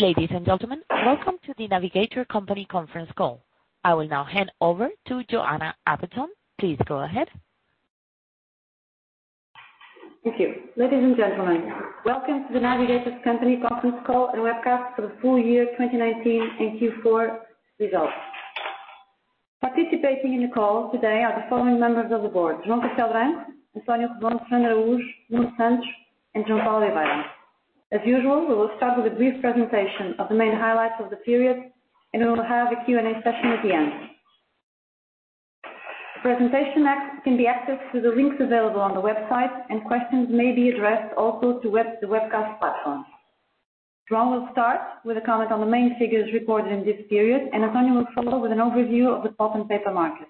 Ladies and gentlemen, welcome to The Navigator Company conference call. I will now hand over to Joana Appleton. Please go ahead. Thank you. Ladies and gentlemen, welcome to The Navigator Company conference call and webcast for the full-year 2019 and Q4 results. Participating in the call today are the following members of the board, João Castello Branco, António Redondo, Nuno Santos, and João Paulo Oliveira. As usual, we will start with a brief presentation of the main highlights of the period, and we will have a Q&A session at the end. The presentation next can be accessed through the links available on the website, and questions may be addressed also to the webcast platform. João will start with a comment on the main figures reported in this period, and António will follow with an overview of the pulp and paper market.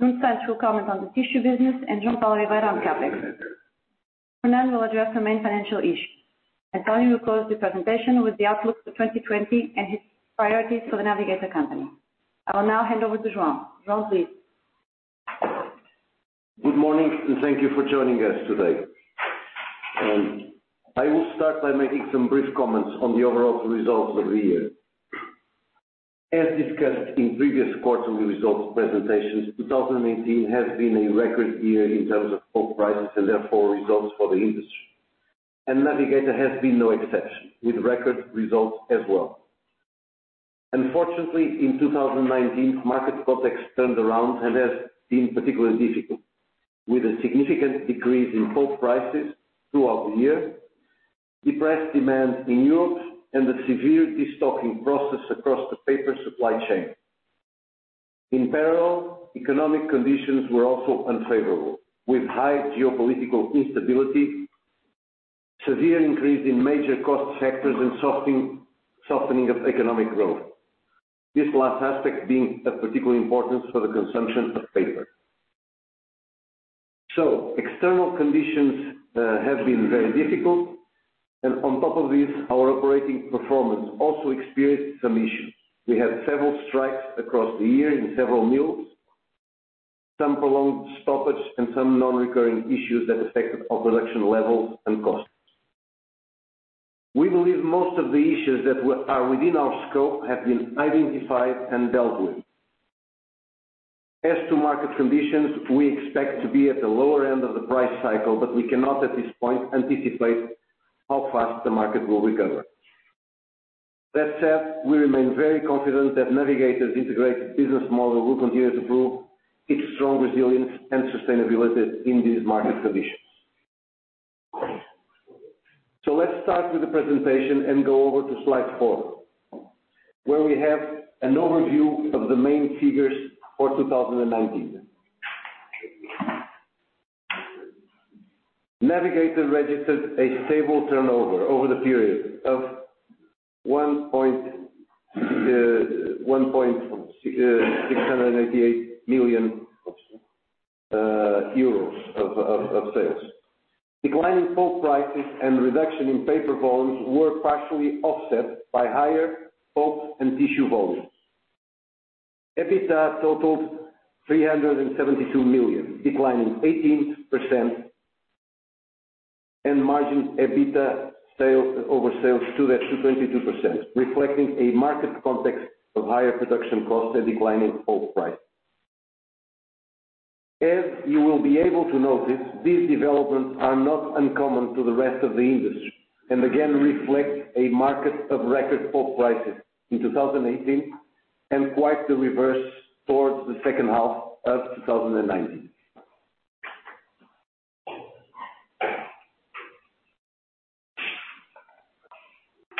Nuno Santos will comment on the tissue business, and João Paulo Oliveira on CapEx. Fernando will address the main financial issues. António will close the presentation with the outlook for 2020 and his priorities for The Navigator Company. I will now hand over to João. João, please. Good morning. Thank you for joining us today. I will start by making some brief comments on the overall results of the year. As discussed in previous quarterly results presentations, 2019 has been a record year in terms of pulp prices and therefore results for the industry. Navigator has been no exception, with record results as well. Unfortunately, in 2019, market context turned around and has been particularly difficult, with a significant decrease in pulp prices throughout the year, depressed demand in Europe, and a severe destocking process across the paper supply chain. In parallel, economic conditions were also unfavorable, with high geopolitical instability, severe increase in major cost sectors, and softening of economic growth, this last aspect being of particular importance for the consumption of paper. External conditions have been very difficult, and on top of this, our operating performance also experienced some issues. We had several strikes across the year in several mills, some prolonged stoppage and some non-recurring issues that affected our production levels and costs. We believe most of the issues that are within our scope have been identified and dealt with. As to market conditions, we expect to be at the lower end of the price cycle, but we cannot at this point anticipate how fast the market will recover. That said, we remain very confident that Navigator's integrated business model will continue to prove its strong resilience and sustainability in these market conditions. Let's start with the presentation and go over to Slide four, where we have an overview of the main figures for 2019. Navigator registered a stable turnover over the period of 1.688 million euros of sales. Decline in pulp prices and reduction in paper volumes were partially offset by higher pulp and tissue volumes. EBITDA totaled 372 million, declining 18%, and margin EBITDA over sales stood at 22%, reflecting a market context of higher production costs and declining pulp prices. As you will be able to notice, these developments are not uncommon to the rest of the industry, and again reflect a market of record pulp prices in 2018, and quite the reverse towards the second half of 2019.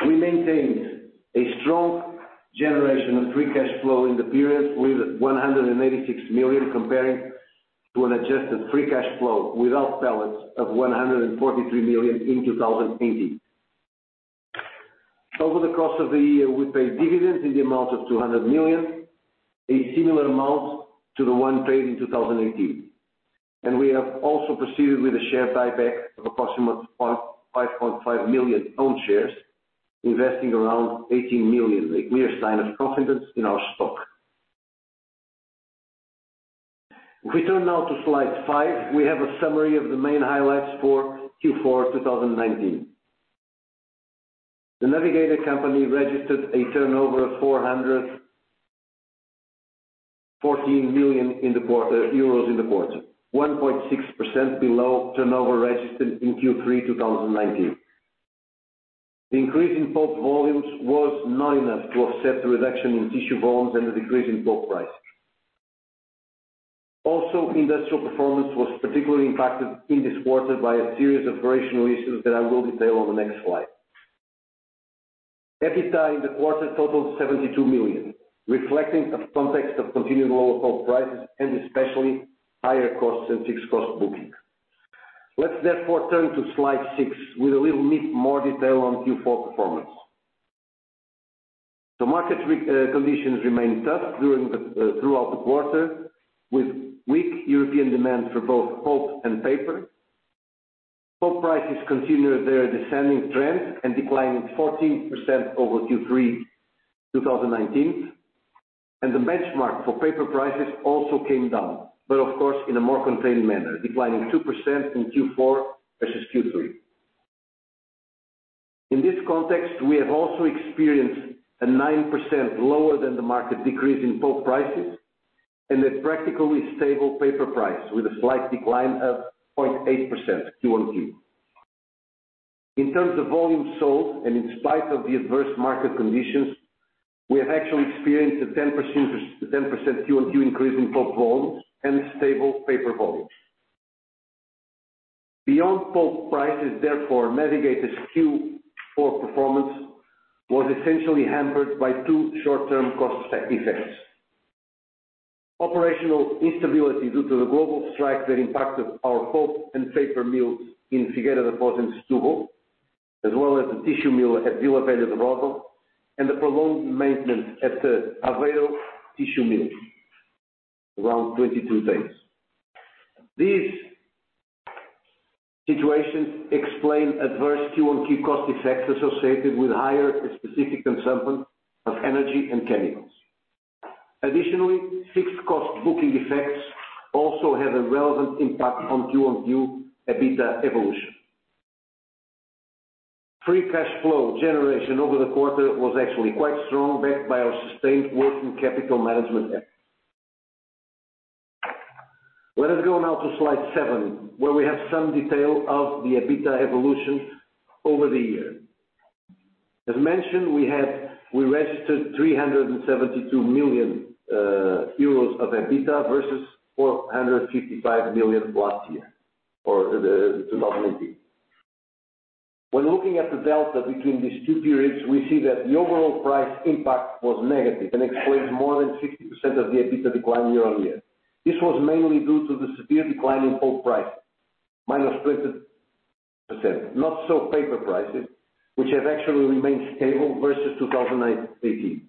We maintained a strong generation of free cash flow in the period, with 186 million comparing to an adjusted free cash flow without balance of 143 million in 2018. Over the course of the year, we paid dividends in the amount of 200 million, a similar amount to the one paid in 2018. We have also proceeded with a share buyback of approximately 5.5 million own shares, investing around 18 million, a clear sign of confidence in our stock. If we turn now to Slide five, we have a summary of the main highlights for Q4 2019. The Navigator Company registered a turnover of 414 million in the quarter, 1.6% below turnover registered in Q3 2019. The increase in pulp volumes was not enough to offset the reduction in tissue volumes and the decrease in pulp prices. Also, industrial performance was particularly impacted in this quarter by a series of operational issues that I will detail on the next slide. EBITDA in the quarter totaled 72 million, reflecting a context of continued lower pulp prices and especially higher costs and fixed cost booking. Let's therefore turn to Slide six with a little bit more detail on Q4 performance. Market conditions remained tough throughout the quarter, with weak European demand for both pulp and paper. Pulp prices continued their descending trend and declined 14% over Q3 2019. The benchmark for paper prices also came down, but of course, in a more contained manner, declining 2% in Q4 versus Q3. In this context, we have also experienced a 9% lower than the market decrease in pulp prices and a practically stable paper price with a slight decline of 0.8% QoQ. In terms of volume sold and in spite of the adverse market conditions, we have actually experienced a 10% QoQ increase in pulp volumes and stable paper volumes. Beyond pulp prices, therefore, Navigator's Q4 performance was essentially hampered by two short-term cost effects. Operational instability due to the global strike that impacted our pulp and paper mills in Figueira da Foz and Setúbal, as well as the tissue mill at Vila Nova de Famalicão, and the prolonged maintenance at the Aveiro tissue mill, around 22 days. These situations explain adverse QoQ cost effects associated with higher specific consumption of energy and chemicals. Fixed cost booking effects also had a relevant impact on QoQ EBITDA evolution. Free cash flow generation over the quarter was actually quite strong, backed by our sustained working capital management effort. Let us go now to Slide seven, where we have some detail of the EBITDA evolution over the year. As mentioned, we registered 372 million euros of EBITDA versus 455 million last year, or 2018. When looking at the delta between these two periods, we see that the overall price impact was negative and explains more than 60% of the EBITDA decline year-on-year. This was mainly due to the severe decline in pulp prices, -20%. Not so paper prices, which have actually remained stable versus 2018.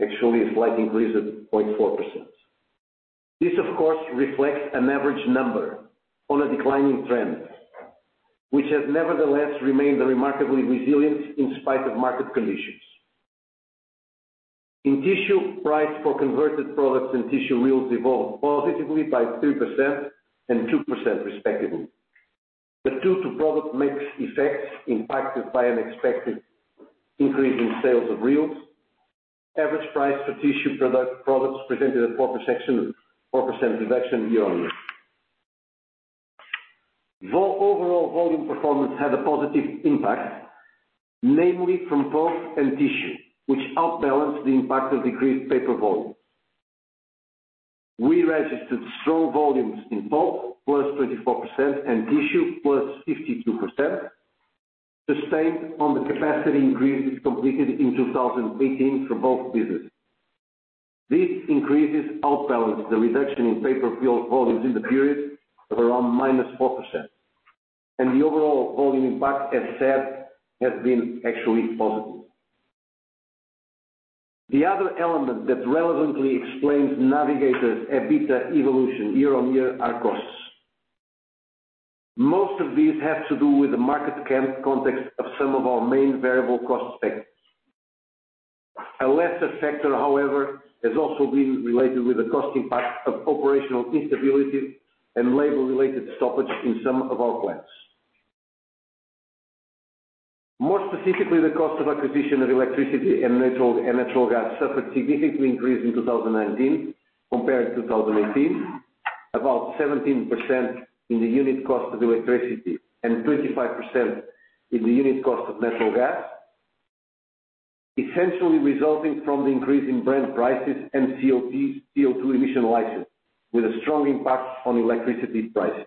Actually, a slight increase of 0.4%. This, of course, reflects an average number on a declining trend, which has nevertheless remained remarkably resilient in spite of market conditions. In tissue, price for converted products and tissue reels evolved positively by 3% and 2% respectively. Due to product mix effects impacted by an expected increase in sales of reels, average price for tissue products presented a 4% reduction year-on-year. Overall volume performance had a positive impact, mainly from pulp and tissue, which outbalanced the impact of decreased paper volume. We registered strong volumes in pulp, +24%, and tissue +52%, sustained on the capacity increases completed in 2018 for both businesses. These increases outbalance the reduction in paper volumes in the period of around -4%. The overall volume impact, as said, has been actually positive. The other element that relevantly explains Navigator's EBITDA evolution year-on-year are costs. Most of these have to do with the market context of some of our main variable cost factors. A lesser factor, however, has also been related with the cost impact of operational instability and labor-related stoppage in some of our plants. More specifically, the cost of acquisition of electricity and natural gas suffered significant increase in 2019 compared to 2018, about 17% in the unit cost of electricity and 25% in the unit cost of natural gas. Essentially resulting from the increase in Brent prices and CO2 emission licenses, with a strong impact on electricity pricing.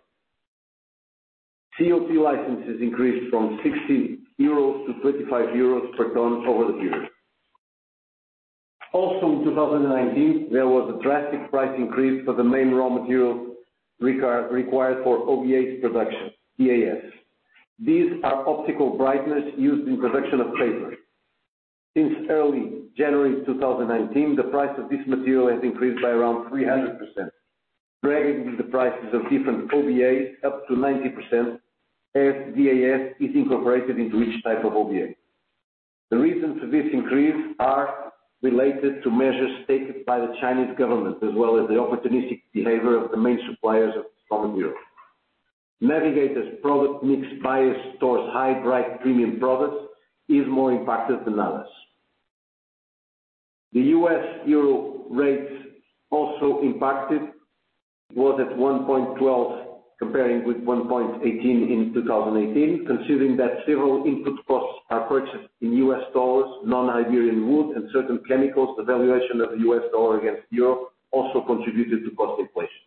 CO2 licenses increased from 16 euros to 25 euros per ton over the period. Also in 2019, there was a drastic price increase for the main raw material required for OBAs production, DAS. These are optical brighteners used in production of paper. Since early January 2019, the price of this material has increased by around 300%, dragging the prices of different OBAs up to 90% as DAS is incorporated into each type of OBA. The reasons for this increase are related to measures taken by the Chinese government, as well as the opportunistic behavior of the main suppliers of this raw material. Navigator's product mix bias towards high bright premium products is more impacted than others. The U.S. EUR rates also impacted was at 1.12, comparing with 1.18 in 2018. Considering that several input costs are purchased in U.S. dollars, non-Iberian wood, and certain chemicals, the valuation of the U.S. dollar against EUR also contributed to cost inflation.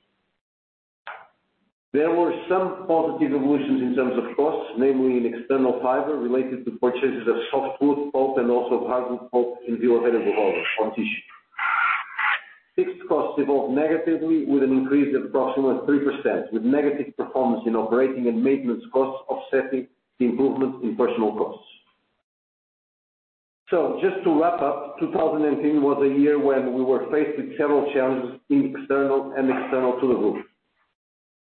There were some positive evolutions in terms of costs, namely in external fiber related to purchases of softwood pulp and also hardwood pulp in Vila Nova de Famalicão on tissue. Fixed costs evolved negatively with an increase of approximately 3%, with negative performance in operating and maintenance costs offsetting the improvements in personal costs. Just to wrap up, 2019 was a year when we were faced with several challenges internal and external to the group.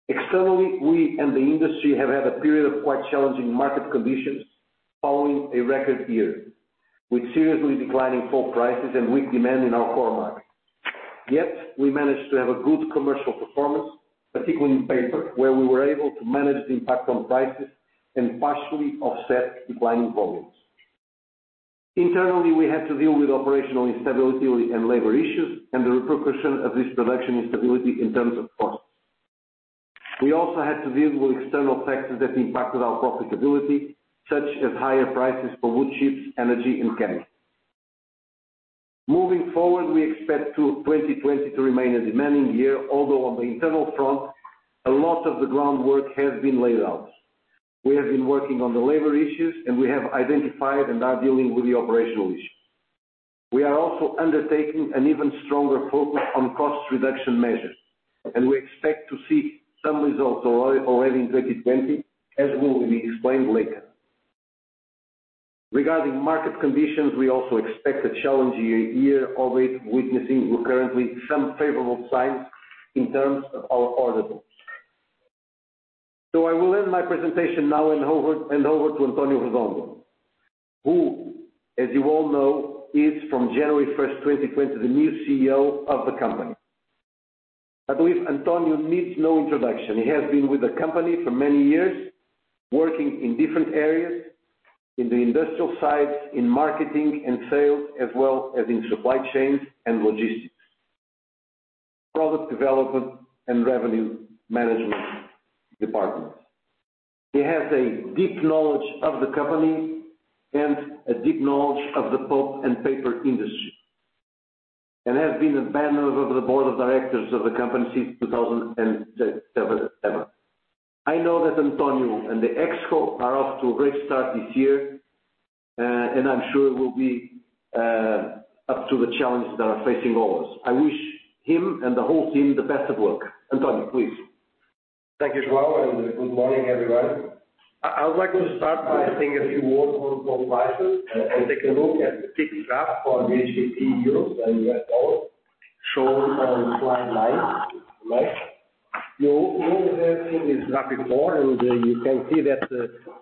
Externally, we and the industry have had a period of quite challenging market conditions following a record year, with seriously declining pulp prices and weak demand in our core market. Yet, we managed to have a good commercial performance, particularly in paper, where we were able to manage the impact on prices and partially offset declining volumes. Internally, we had to deal with operational instability and labor issues, and the repercussion of this production instability in terms of costs. We also had to deal with external factors that impacted our profitability, such as higher prices for wood chips, energy, and chemicals. We expect 2020 to remain a demanding year, although on the internal front, a lot of the groundwork has been laid out. We have been working on the labor issues, we have identified and are dealing with the operational issues. We are also undertaking an even stronger focus on cost reduction measures, we expect to see some results already in 2020, as will be explained later. Regarding market conditions, we also expect a challenging year, albeit witnessing currently some favorable signs in terms of our order books. I will end my presentation now and hand over to António Redondo, who, as you all know, is from January 1st, 2020, the new CEO of the company. I believe António needs no introduction. He has been with the company for many years, working in different areas in the industrial sides, in marketing and sales, as well as in supply chains and logistics, product development, and revenue management departments. He has a deep knowledge of the company and a deep knowledge of the pulp and paper industry, and has been a member of the board of directors of the company since 2007. I know that António and the ExCo are off to a great start this year, and I'm sure we'll be up to the challenges that are facing all of us. I wish him and the whole team the best of luck. António, please. Thank you, João, and good morning, everyone. I would like to start by saying a few words on pulp prices and take a look at the PIX graph for the BHKP Euro and U.S. dollar shown on Slide nine. You all have seen this graph before. You can see that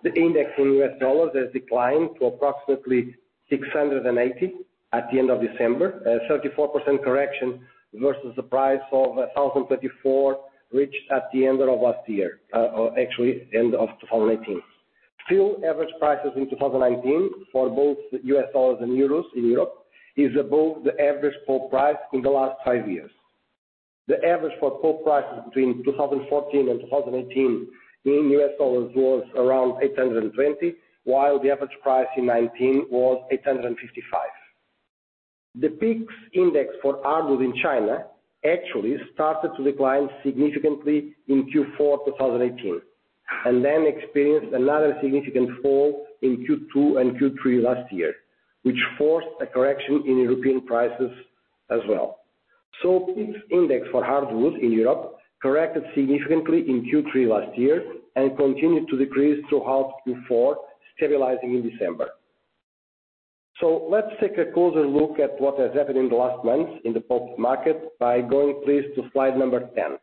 the index in U.S. dollars has declined to approximately $680 at the end of December. 34% correction versus the price of $1,034 reached at the end of last year, or actually end of 2018. Still, average prices in 2019 for both U.S. dollars and euros in Europe is above the average pulp price in the last five years. The average for pulp prices between 2014 and 2018 in U.S. dollars was around $820, while the average price in 2019 was $855. The PIX index for hardwood in China actually started to decline significantly in Q4 2018, and then experienced another significant fall in Q2 and Q3 last year, which forced a correction in European prices as well. PIX index for hardwoods in Europe corrected significantly in Q3 last year and continued to decrease throughout Q4, stabilizing in December. Let's take a closer look at what has happened in the last month in the pulp market by going please to Slide number 10.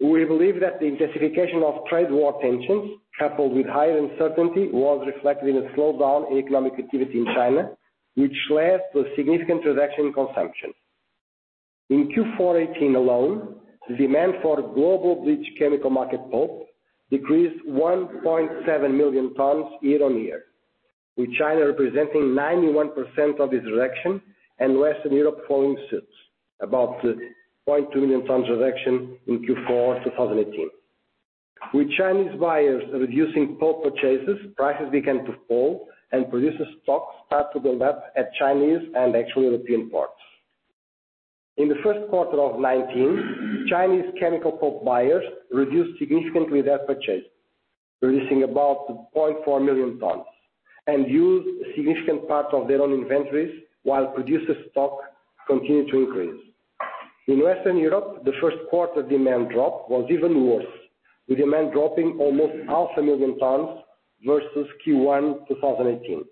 We believe that the intensification of trade war tensions, coupled with higher uncertainty, was reflected in a slowdown in economic activity in China, which led to a significant reduction in consumption. In Q4 2018 alone, the demand for global bleach chemical market pulp decreased 1.7 million tons year-on-year, with China representing 91% of this reduction and Western Europe following suit, about 0.2 million tons reduction in Q4 2018. With Chinese buyers reducing pulp purchases, prices began to fall and producer stocks start to build up at Chinese and actually European ports. In the first quarter of 2019, Chinese chemical pulp buyers reduced significantly their purchases, reducing about 0.4 million tons and used a significant part of their own inventories while producer stock continued to increase. In Western Europe, the first quarter demand drop was even worse, with demand dropping almost half a million tons versus Q1 2018.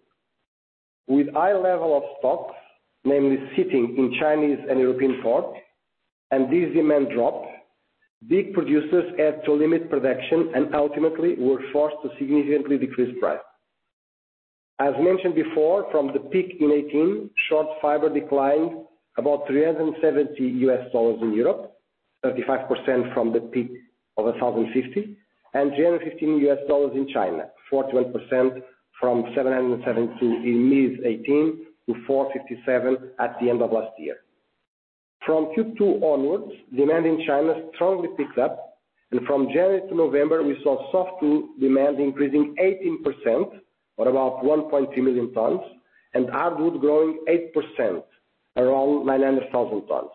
With high level of stocks, namely sitting in Chinese and European ports, and this demand drop, big producers had to limit production and ultimately were forced to significantly decrease price. As mentioned before, from the peak in 2018, short fiber declined about $370 in Europe, 35% from the peak of 1,050, and $315 in China, 41% from 772 in mid-2018 to 457 at the end of last year. From Q2 onwards, demand in China strongly picked up, and from January to November, we saw softwood demand increasing 18%, or about 1.2 million tons, and hardwood growing 8%, around 900,000 tons.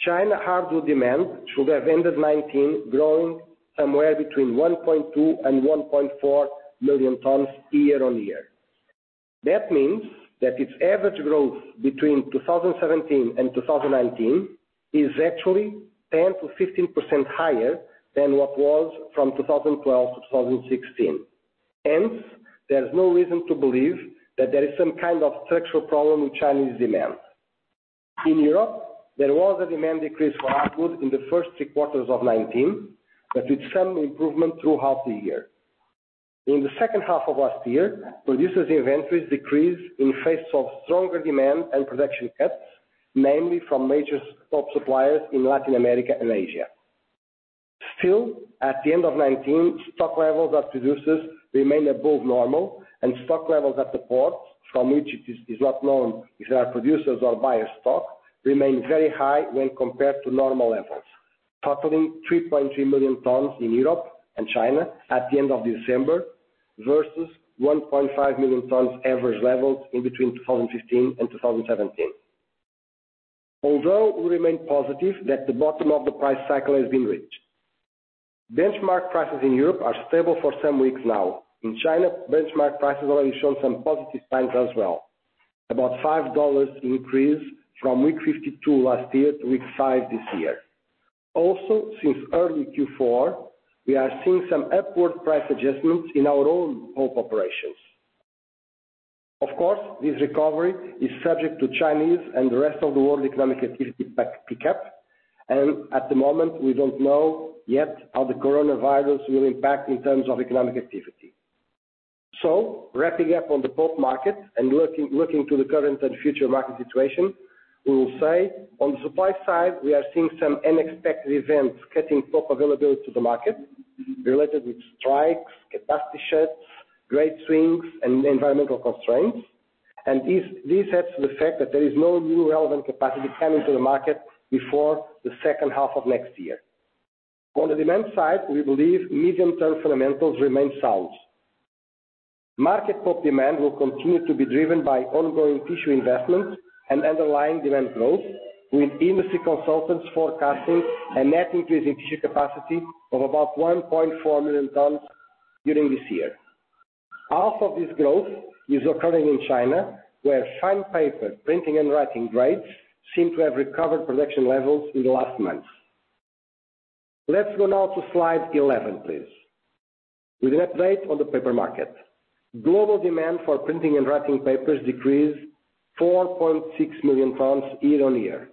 China hardwood demand should have ended 2019 growing somewhere between 1.2 million-1.4 million tons year-on-year. That means that its average growth between 2017 and 2019 is actually 10%-15% higher than what was from 2012 to 2016. Hence, there is no reason to believe that there is some kind of structural problem with Chinese demand. In Europe, there was a demand decrease for hardwood in the first three quarters of 2019, but with some improvement throughout the year. In the second half of last year, producers inventories decreased in face of stronger demand and production cuts, mainly from major pulp suppliers in Latin America and Asia. Still, at the end of 2019, stock levels at producers remained above normal, and stock levels at the ports, from which it is not known if they are producers or buyer stock, remained very high when compared to normal levels, totaling 3.3 million tons in Europe and China at the end of December versus 1.5 million tons average levels in between 2015 and 2017. Although we remain positive that the bottom of the price cycle has been reached. Benchmark prices in Europe are stable for some weeks now. In China, benchmark prices already shown some positive signs as well, about $5 increase from week 52 last year to week five this year. Also, since early Q4, we are seeing some upward price adjustments in our own pulp operations. Of course, this recovery is subject to Chinese and the rest of the world economic activity pick up, and at the moment, we don't know yet how the coronavirus will impact in terms of economic activity. Wrapping up on the pulp market and looking to the current and future market situation, we will say on the supply side, we are seeing some unexpected events cutting pulp availability to the market related with strikes, capacity shuts, grade swings, and environmental constraints. These add to the fact that there is no new relevant capacity coming to the market before the second half of next year. On the demand side, we believe medium-term fundamentals remain sound. Market pulp demand will continue to be driven by ongoing tissue investment and underlying demand growth, with industry consultants forecasting a net increase in tissue capacity of about 1.4 million tons during this year. Half of this growth is occurring in China, where fine paper, printing and writing grades seem to have recovered production levels in the last month. Let's go now to Slide 11, please. With an update on the paper market. Global demand for printing and writing papers decreased 4.6 million tons year-on-year,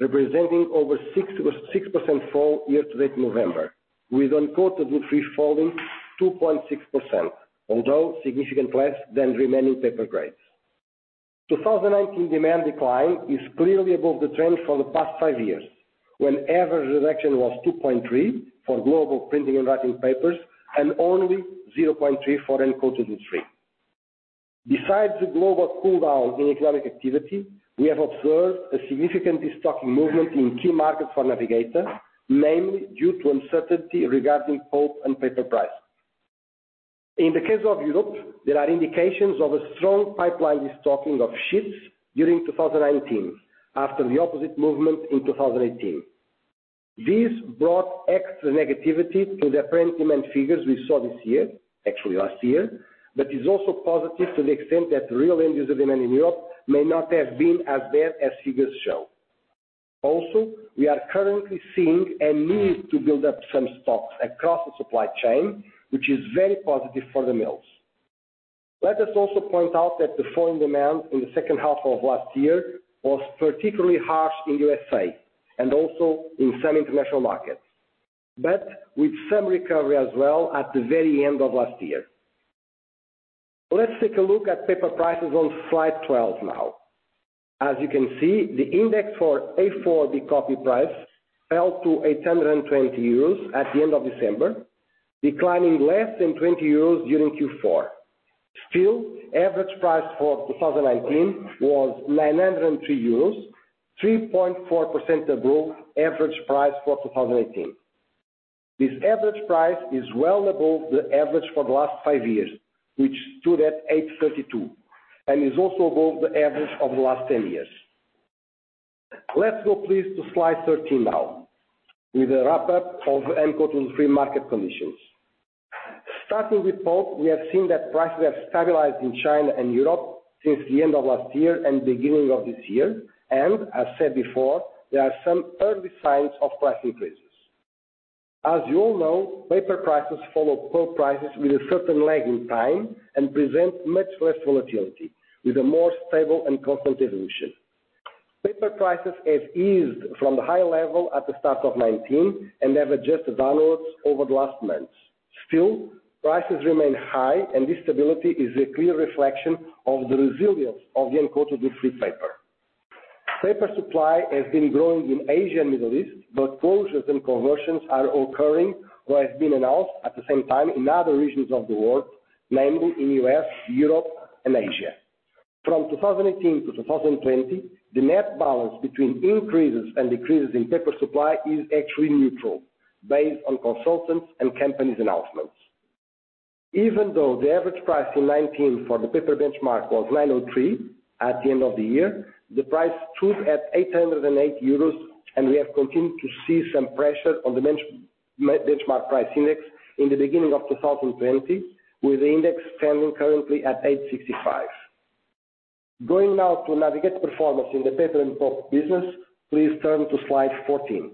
representing over 6% fall year-to-date in November, with uncoated wood-free falling 2.6%, although significantly less than remaining paper grades. 2019 demand decline is clearly above the trend for the past five years, when average reduction was 2.3 for global printing and writing papers, and only 0.3 for uncoated wood-free. Besides the global cool down in economic activity, we have observed a significant destocking movement in key markets for Navigator, mainly due to uncertainty regarding pulp and paper prices. In the case of Europe, there are indications of a strong pipeline destocking of ships during 2019 after the opposite movement in 2018. This brought extra negativity to the apparent demand figures we saw this year, actually last year, but is also positive to the extent that real end user demand in Europe may not have been as bad as figures show. Also, we are currently seeing a need to build up some stocks across the supply chain, which is very positive for the mills. Let us also point out that the foreign demand in the second half of last year was particularly harsh in USA and also in some international markets, but with some recovery as well at the very end of last year. Let's take a look at paper prices on Slide 12 now. As you can see, the index for A4 copy price fell to 820 euros at the end of December, declining less than 20 euros during Q4. Still, average price for 2019 was 903 euros, 3.4% above average price for 2018. This average price is well above the average for the last five years, which stood at 832 and is also above the average of the last 10 years. Let's go please to Slide 13 now with a wrap up of uncoated wood-free market conditions. Starting with pulp, we have seen that prices have stabilized in China and Europe since the end of last year and beginning of this year. As said before, there are some early signs of price increases. As you all know, paper prices follow pulp prices with a certain lag in time and present much less volatility with a more stable and constant evolution. Paper prices have eased from the high level at the start of 2019 and have adjusted downwards over the last months. Still, prices remain high and this stability is a clear reflection of the resilience of the uncoated wood-free paper. Paper supply has been growing in Asia and Middle East, but closures and conversions are occurring or have been announced at the same time in other regions of the world, namely in U.S., Europe, and Asia. From 2018 to 2020, the net balance between increases and decreases in paper supply is actually neutral based on consultants and companies announcements. Even though the average price in 2019 for the paper benchmark was 903 at the end of the year, the price stood at 808 euros and we have continued to see some pressure on the benchmark price index in the beginning of 2020, with the index standing currently at 865. Going now to Navigator performance in the paper and pulp business, please turn to Slide 14.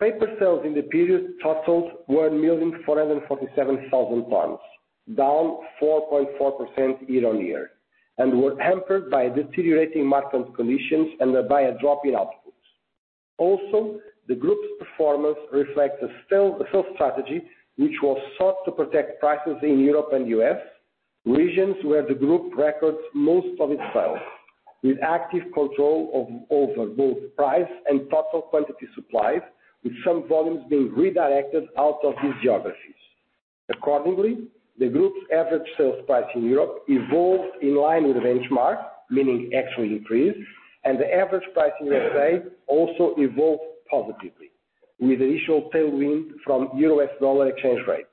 Paper sales in the period totaled 1,447,000 tons, down 4.4% year-on-year, and were hampered by deteriorating market conditions and by a drop in output. The group's performance reflects a sales strategy which was sought to protect prices in Europe and U.S., regions where the group records most of its sales, with active control over both price and total quantity supplied, with some volumes being redirected out of these geographies. Accordingly, the group's average sales price in Europe evolved in line with the benchmark, meaning actually increased, and the average price in U.S.A. also evolved positively, with initial tailwind from U.S. dollar exchange rates.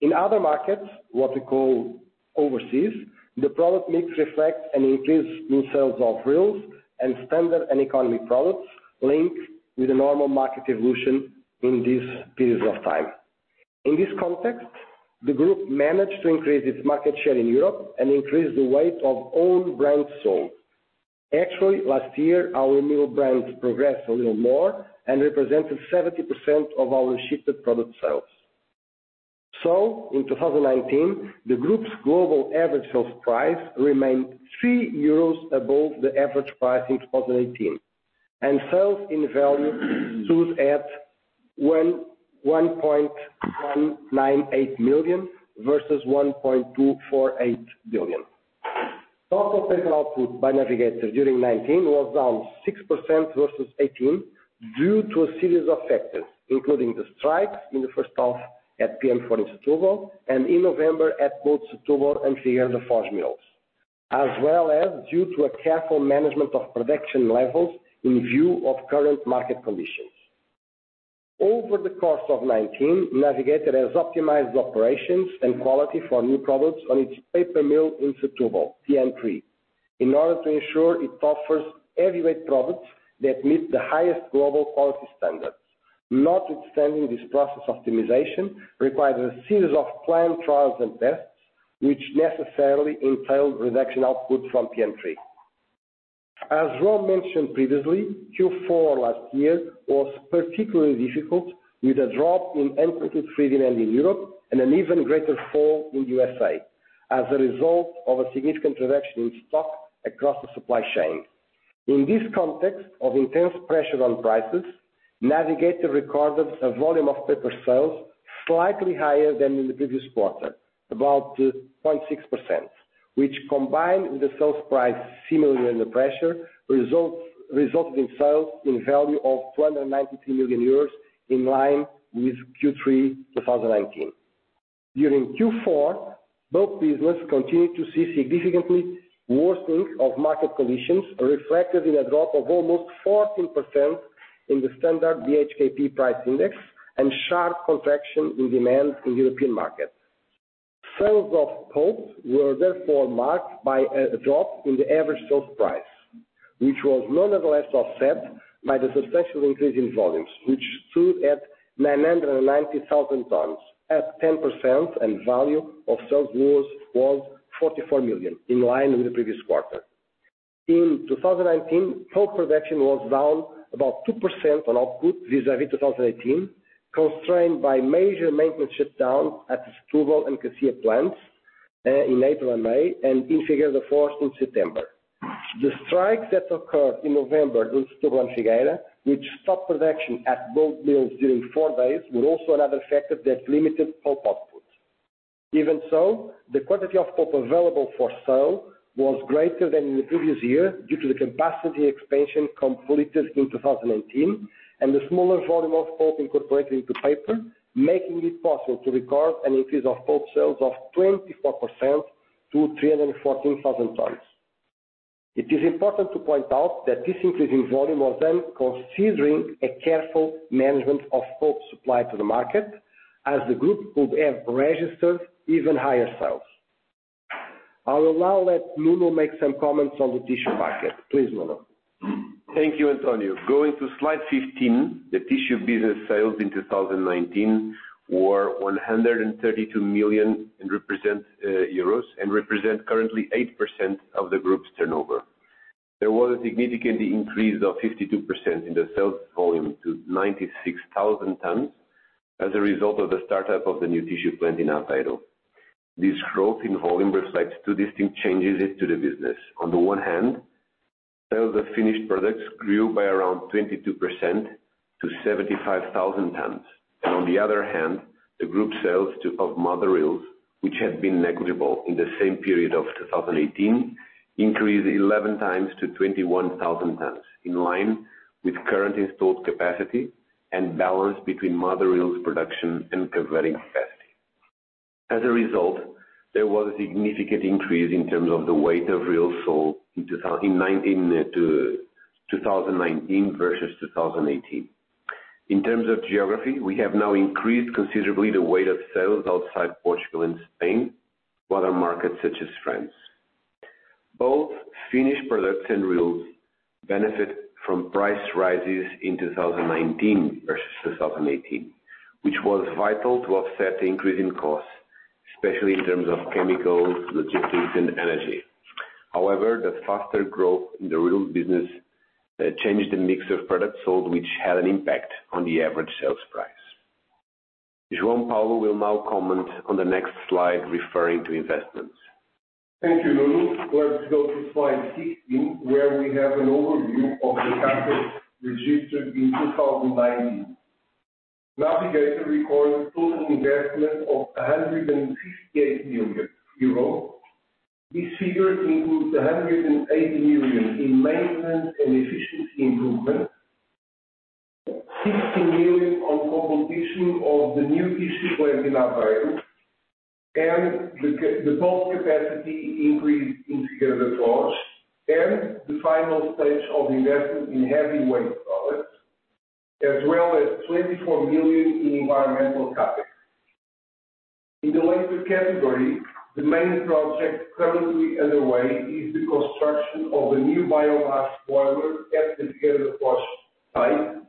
In other markets, what we call overseas, the product mix reflects an increase in sales of reels and standard and economy products linked with the normal market evolution in this period of time. In this context, the group managed to increase its market share in Europe and increase the weight of own brands sold. Actually, last year, our own brands progressed a little more and represented 70% of our shipped product sales. In 2019, the group's global average sales price remained three euros above the average price in 2018, and sales in value stood at 1.198 million versus 1.248 billion. Total paper output by Navigator during 2019 was down 6% versus 2018 due to a series of factors, including the strikes in the first half at PM4 in Setúbal, and in November at both Setúbal and Figueira da Foz mills. Due to a careful management of production levels in view of current market conditions. Over the course of 2019, Navigator has optimized operations and quality for new products on its paper mill in Setúbal, PM3, in order to ensure it offers heavyweight products that meet the highest global quality standards. Not extending this process optimization requires a series of planned trials and tests, which necessarily entailed reduction output from PM3. As João mentioned previously, Q4 last year was particularly difficult, with a drop in uncoated wood-free demand in Europe and an even greater fall in U.S.A., as a result of a significant reduction in stock across the supply chain. In this context of intense pressure on prices, Navigator recorded a volume of paper sales slightly higher than in the previous quarter, about 0.6%, which, combined with the sales price similarly under pressure, resulted in sales in value of 293 million euros, in line with Q3 2019. During Q4, both businesses continued to see significantly worsening of market conditions, reflected in a drop of almost 14% in the standard BHKP price index and sharp contraction in demand in European markets. Sales of pulp were marked by a drop in the average sales price, which was nonetheless offset by the substantial increase in volumes, which stood at 990,000 tons, up 10%, and value of sales was 44 million, in line with the previous quarter. In 2019, pulp production was down about 2% on output vis-à-vis 2018, constrained by major maintenance shutdowns at the Setúbal and Cacia plants, in April and May, and in Figueira da Foz in September. The strikes that occurred in November during Setúbal and Figueira, which stopped production at both mills during four days, were also another factor that limited pulp output. Even so, the quantity of pulp available for sale was greater than in the previous year due to the capacity expansion completed in 2018 and the smaller volume of pulp incorporated into paper, making it possible to record an increase of pulp sales of 24% to 314,000 tons. It is important to point out that this increase in volume was then considering a careful management of pulp supply to the market, as the group would have registered even higher sales. I will now let Nuno make some comments on the tissue market. Please, Nuno. Thank you, António. Going to Slide 15, the tissue business sales in 2019 were 132 million and represent currently 8% of the group's turnover. There was a significant increase of 52% in the sales volume to 96,000 tons as a result of the startup of the new tissue plant in Aveiro. This growth in volume reflects two distinct changes to the business. On the one hand, sales of finished products grew by around 22% to 75,000 tons. On the other hand, the group sales of mother reels, which had been negligible in the same period of 2018, increased 11 times to 21,000 tons, in line with current installed capacity and balance between mother reels production and converting capacity. As a result, there was a significant increase in terms of the weight of reels sold in 2019 versus 2018. In terms of geography, we have now increased considerably the weight of sales outside Portugal and Spain to other markets such as France. Both finished products and reels benefit from price rises in 2019 versus 2018, which was vital to offset the increase in costs, especially in terms of chemicals, logistics, and energy. However, the faster growth in the pellets business changed the mix of products sold, which had an impact on the average sales price. João Paulo will now comment on the next slide referring to investments. Thank you, Nuno. Let's go to Slide 16, where we have an overview of the capital registered in 2019. Navigator recorded total investment of 158 million euro. This figure includes 180 million in maintenance and efficiency improvement, 60 million on completion of the new tissue plant in Aveiro, and the pulp capacity increase in Figueira da Foz, and the final stage of investment in heavy weight products, as well as 24 million in environmental CapEx. In the later category, the main project currently underway is the construction of a new biomass boiler at the Figueira da Foz site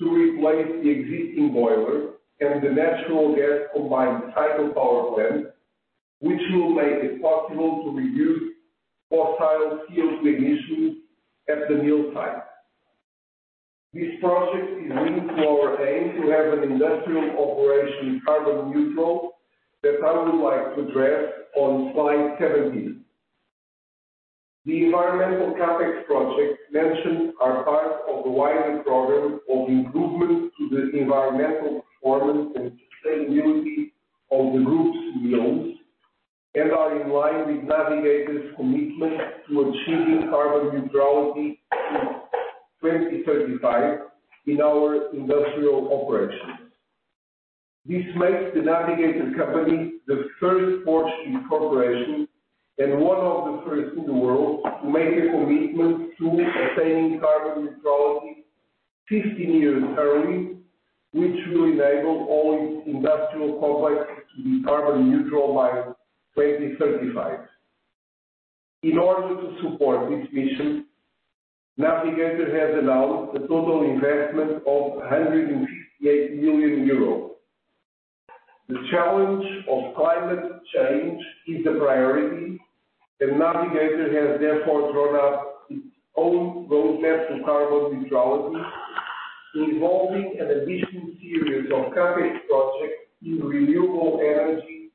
to replace the existing boiler and the natural gas combined cycle power plant, which will make it possible to reduce fossil CO2 emissions at the mill site. This project is linked to our aim to have an industrial operation carbon neutral that I would like to address on Slide 17. The environmental CapEx projects mentioned are part of the wider program of improvement to the environmental performance and sustainability of the group's mills, and are in line with Navigator's commitment to achieving carbon neutrality in 2035 in our industrial operations. This makes The Navigator Company the first Portuguese corporation, and one of the first in the world, to make a commitment to attaining carbon neutrality 15 years early, which will enable all its industrial complex to be carbon neutral by 2035. In order to support this mission, Navigator has announced a total investment of 158 million euros. The challenge of climate change is a priority, and Navigator has therefore drawn up its own roadmap to carbon neutrality, involving an additional series of CapEx projects in renewable energy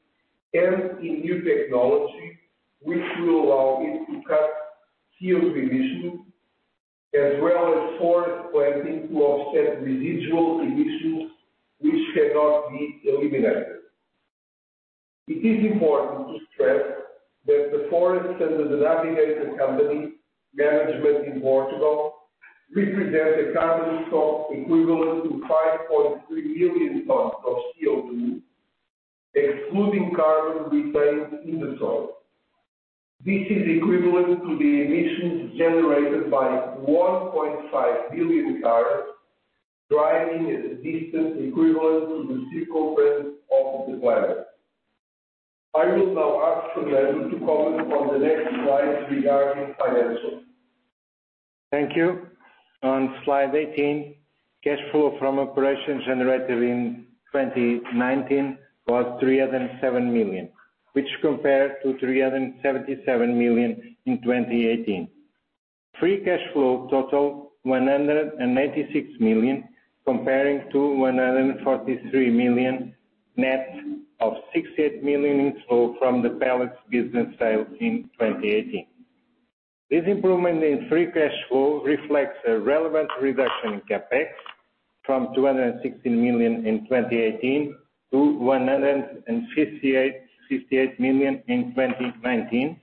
and in new technology, which will allow it to cut CO2 emissions, as well as forest planting to offset residual emissions which cannot be eliminated. It is important to stress that the forests under The Navigator Company management in Portugal represent a carbon stock equivalent to 5.3 billion tons of CO2, excluding carbon retained in the soil. This is equivalent to the emissions generated by 1.5 billion cars, driving a distance equivalent to the circumference of the planet. I will now ask Fernando to comment on the next slide regarding financials. Thank you. On Slide 18, cash flow from operations generated in 2019 was 307 million, which compared to 377 million in 2018. Free cash flow totaled 196 million, comparing to 143 million net of 68 million inflow from the pellets business sales in 2018. This improvement in free cash flow reflects a relevant reduction in CapEx from 216 million in 2018 to 158 million in 2019,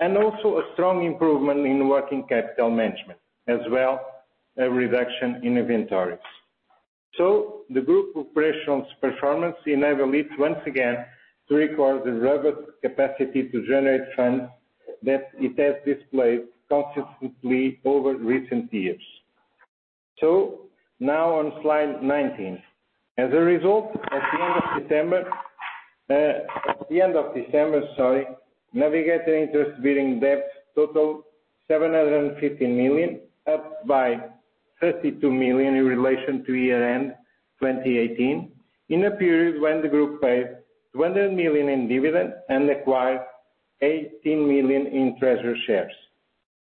and also a strong improvement in working capital management. As well, a reduction in inventories. The group operations performance enable it once again to record the robust capacity to generate funds that it has displayed consistently over recent years. Now on Slide 19. As a result, at the end of December, Navigator interest-bearing debt totaled 715 million, up by 32 million in relation to year-end 2018, in a period when the group paid 200 million in dividends and acquired 18 million in treasury shares.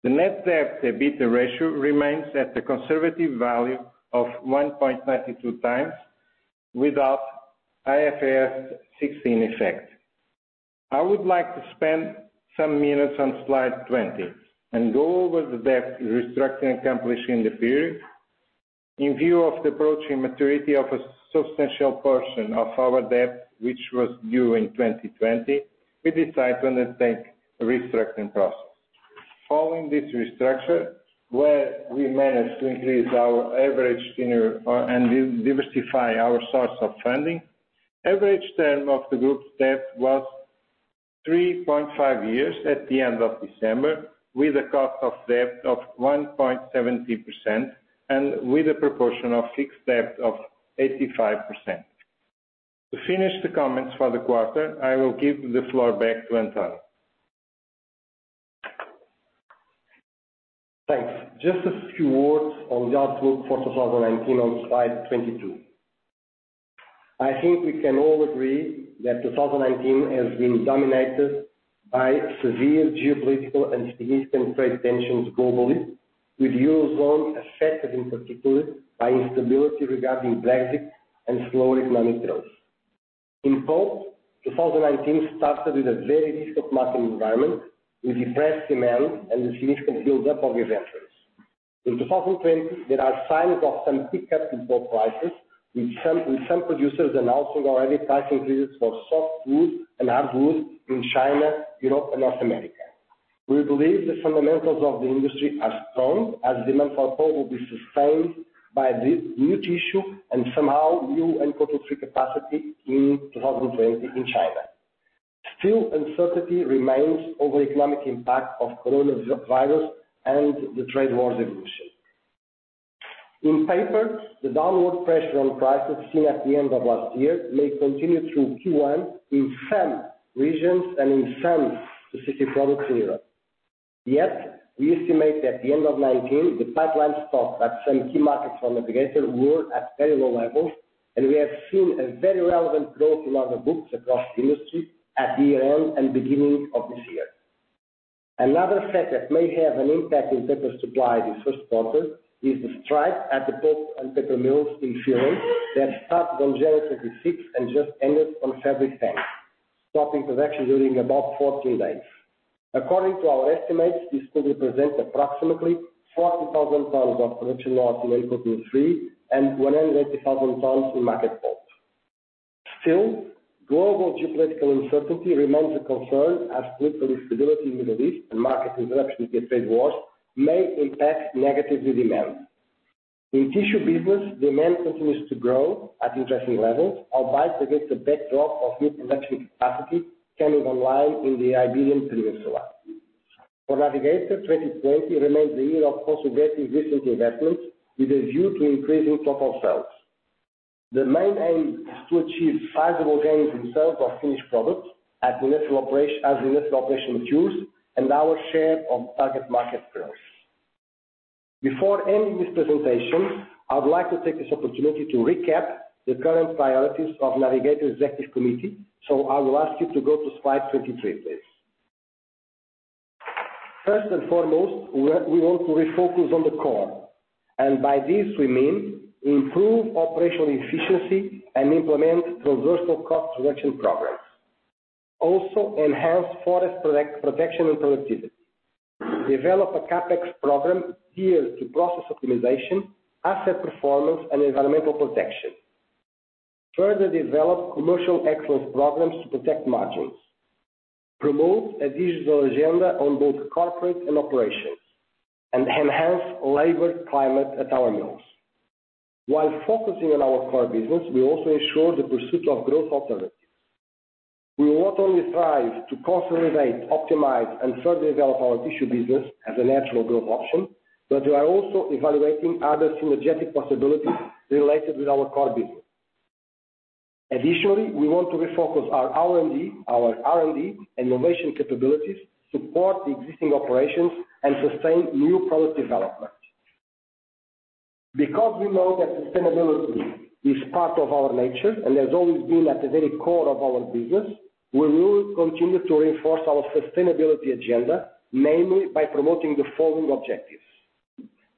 The net debt-to-EBITDA ratio remains at the conservative value of 1.32 times without IFRS 16 effect. I would like to spend some minutes on Slide 20 and go over the debt restructuring accomplished in the period. In view of the approaching maturity of a substantial portion of our debt, which was due in 2020, we decided to undertake a restructuring process. Following this restructure, where we managed to increase our average and diversify our source of funding, average term of the group's debt was 3.5 years at the end of December, with a cost of debt of 1.73% and with a proportion of fixed debt of 85%. To finish the comments for the quarter, I will give the floor back to António. Thanks. Just a few words on the outlook for 2019 on Slide 22. I think we can all agree that 2019 has been dominated by severe geopolitical and significant trade tensions globally, with Eurozone affected in particular by instability regarding Brexit and slower economic growth. In pulp, 2019 started with a very difficult market environment, with depressed demand and a significant build-up of inventories. In 2020, there are signs of some pickup in pulp prices, with some producers announcing already price increases for softwood and hardwood in China, Europe, and North America. We believe the fundamentals of the industry are strong as demand for pulp will be sustained by this new tissue, and somehow new and uncoated wood-free capacity in 2020 in China. Still, uncertainty remains over the economic impact of coronavirus and the trade wars evolution. In paper, the downward pressure on prices seen at the end of last year may continue through Q1 in some regions and in some specific products in Europe. We estimate at the end of 2019, the pipeline stocks at some key markets for Navigator were at very low levels, and we have seen a very relevant growth in order books across the industry at year-end and beginning of this year. Another factor that may have an impact in paper supply this first quarter is the strike at the pulp and paper mills in Finland that started on January 26th and just ended on February 10th, stopping production during about 14 days. According to our estimates, this could represent approximately 40,000 tons of production loss in uncoated wood-free and 180,000 tons in market pulp. Global geopolitical uncertainty remains a concern as political instability in the Middle East and market disruption via trade wars may impact negatively demand. In tissue business, demand continues to grow at interesting levels, albeit against a backdrop of new production capacity coming online in the Iberian Peninsula. For Navigator, 2020 remains the year of consolidating recent investments with a view to increasing total sales. The main aim is to achieve sizable gains in sales of finished products as the industrial operation matures and our share of target market growth. Before ending this presentation, I would like to take this opportunity to recap the current priorities of Navigator's Executive Committee. I will ask you to go to Slide 23, please. First and foremost, we want to refocus on the core, and by this we mean improve operational efficiency and implement transversal cost reduction programs. Also, enhance forest protection and productivity. Develop a CapEx program geared to process optimization, asset performance, and environmental protection. Further develop commercial excellence programs to protect margins. Promote a digital agenda on both corporate and operations, and enhance labor climate at our mills. While focusing on our core business, we also ensure the pursuit of growth alternatives. We will not only strive to consolidate, optimize, and further develop our tissue business as a natural growth option, but we are also evaluating other synergetic possibilities related with our core business. Additionally, we want to refocus our R&D and innovation capabilities to support the existing operations and sustain new product development. Because we know that sustainability is part of our nature and has always been at the very core of our business, we will continue to reinforce our sustainability agenda, mainly by promoting the following objectives.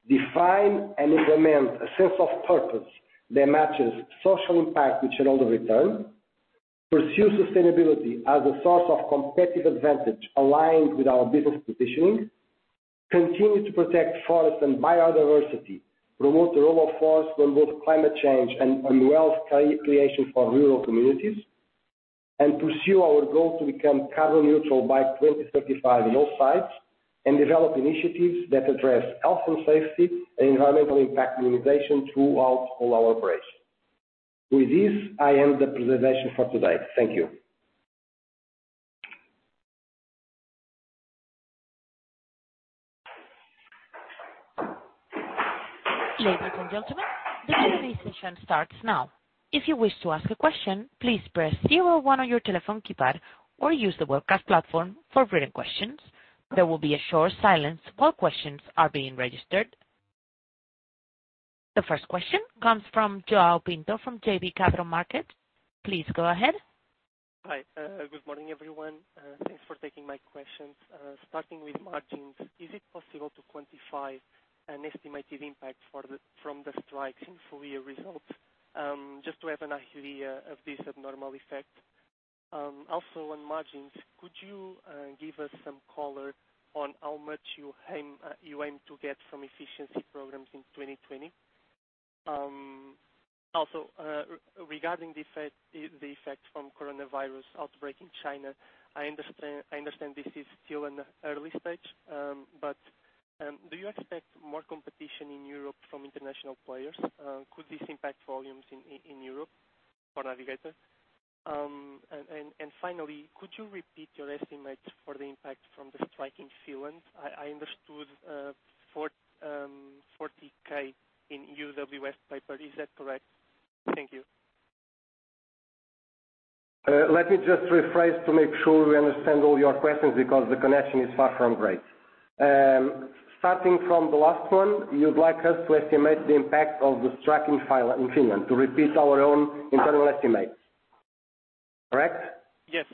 Define and implement a sense of purpose that matches social impact with shareholder return. Pursue sustainability as a source of competitive advantage aligned with our business positioning. Continue to protect forest and biodiversity. Promote the role of forest on both climate change and wealth creation for rural communities, and pursue our goal to become carbon neutral by 2035 in all sites, and develop initiatives that address health and safety and environmental impact minimization throughout all our operations. With this, I end the presentation for today. Thank you. Ladies and gentlemen, the Q&A session starts now. If you wish to ask a question, please press zero one on your telephone keypad or use the webcast platform for written questions. There will be a short silence while questions are being registered. The first question comes from João Pinto from JB Capital Markets. Please go ahead. Hi. Good morning, everyone. Thanks for taking my questions. Starting with margins, is it possible to quantify an estimated impact from the strike in full-year results, just to have an idea of this abnormal effect? On margins, could you give us some color on how much you aim to get from efficiency programs in 2020? Regarding the effect from coronavirus outbreak in China, I understand this is still in the early stage, but do you expect more competition in Europe from international players? Could this impact volumes in Europe for Navigator? Finally, could you repeat your estimate for the impact from the strike in Finland? I understood 40,000 in UWF paper. Is that correct? Thank you. Let me just rephrase to make sure we understand all your questions because the connection is far from great. Starting from the last one, you'd like us to estimate the impact of the strike in Finland to repeat our own internal estimates. Correct? Yes.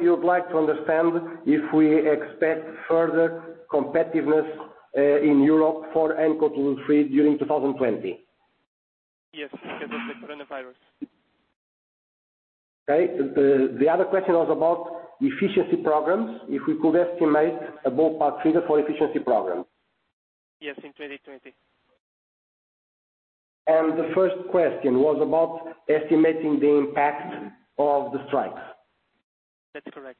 You would like to understand if we expect further competitiveness in Europe for uncoated wood-free during 2020. Yes, because of the coronavirus. Okay. The other question was about efficiency programs. If we could estimate a ballpark figure for efficiency programs. Yes, in 2020. The first question was about estimating the impact of the strikes. That's correct.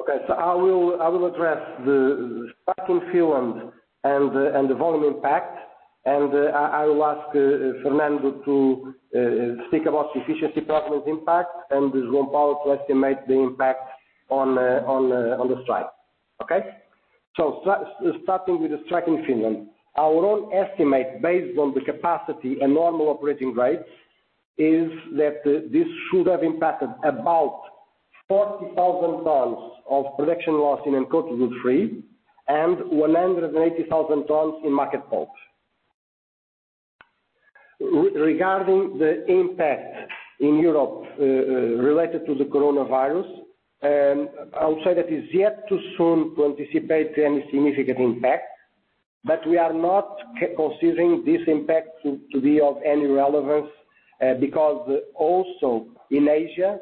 Okay. I will address the strike in Finland and the volume impact, and I will ask Fernando to speak about the efficiency programs impact and João Paulo to estimate the impact on the strike. Okay? Starting with the strike in Finland. Our own estimate based on the capacity and normal operating rates is that this should have impacted about 40,000 tons of production loss in uncoated wood-free and 180,000 tons in market pulp. Regarding the impact in Europe related to the coronavirus, I would say that is yet too soon to anticipate any significant impact, but we are not considering this impact to be of any relevance because also in Asia,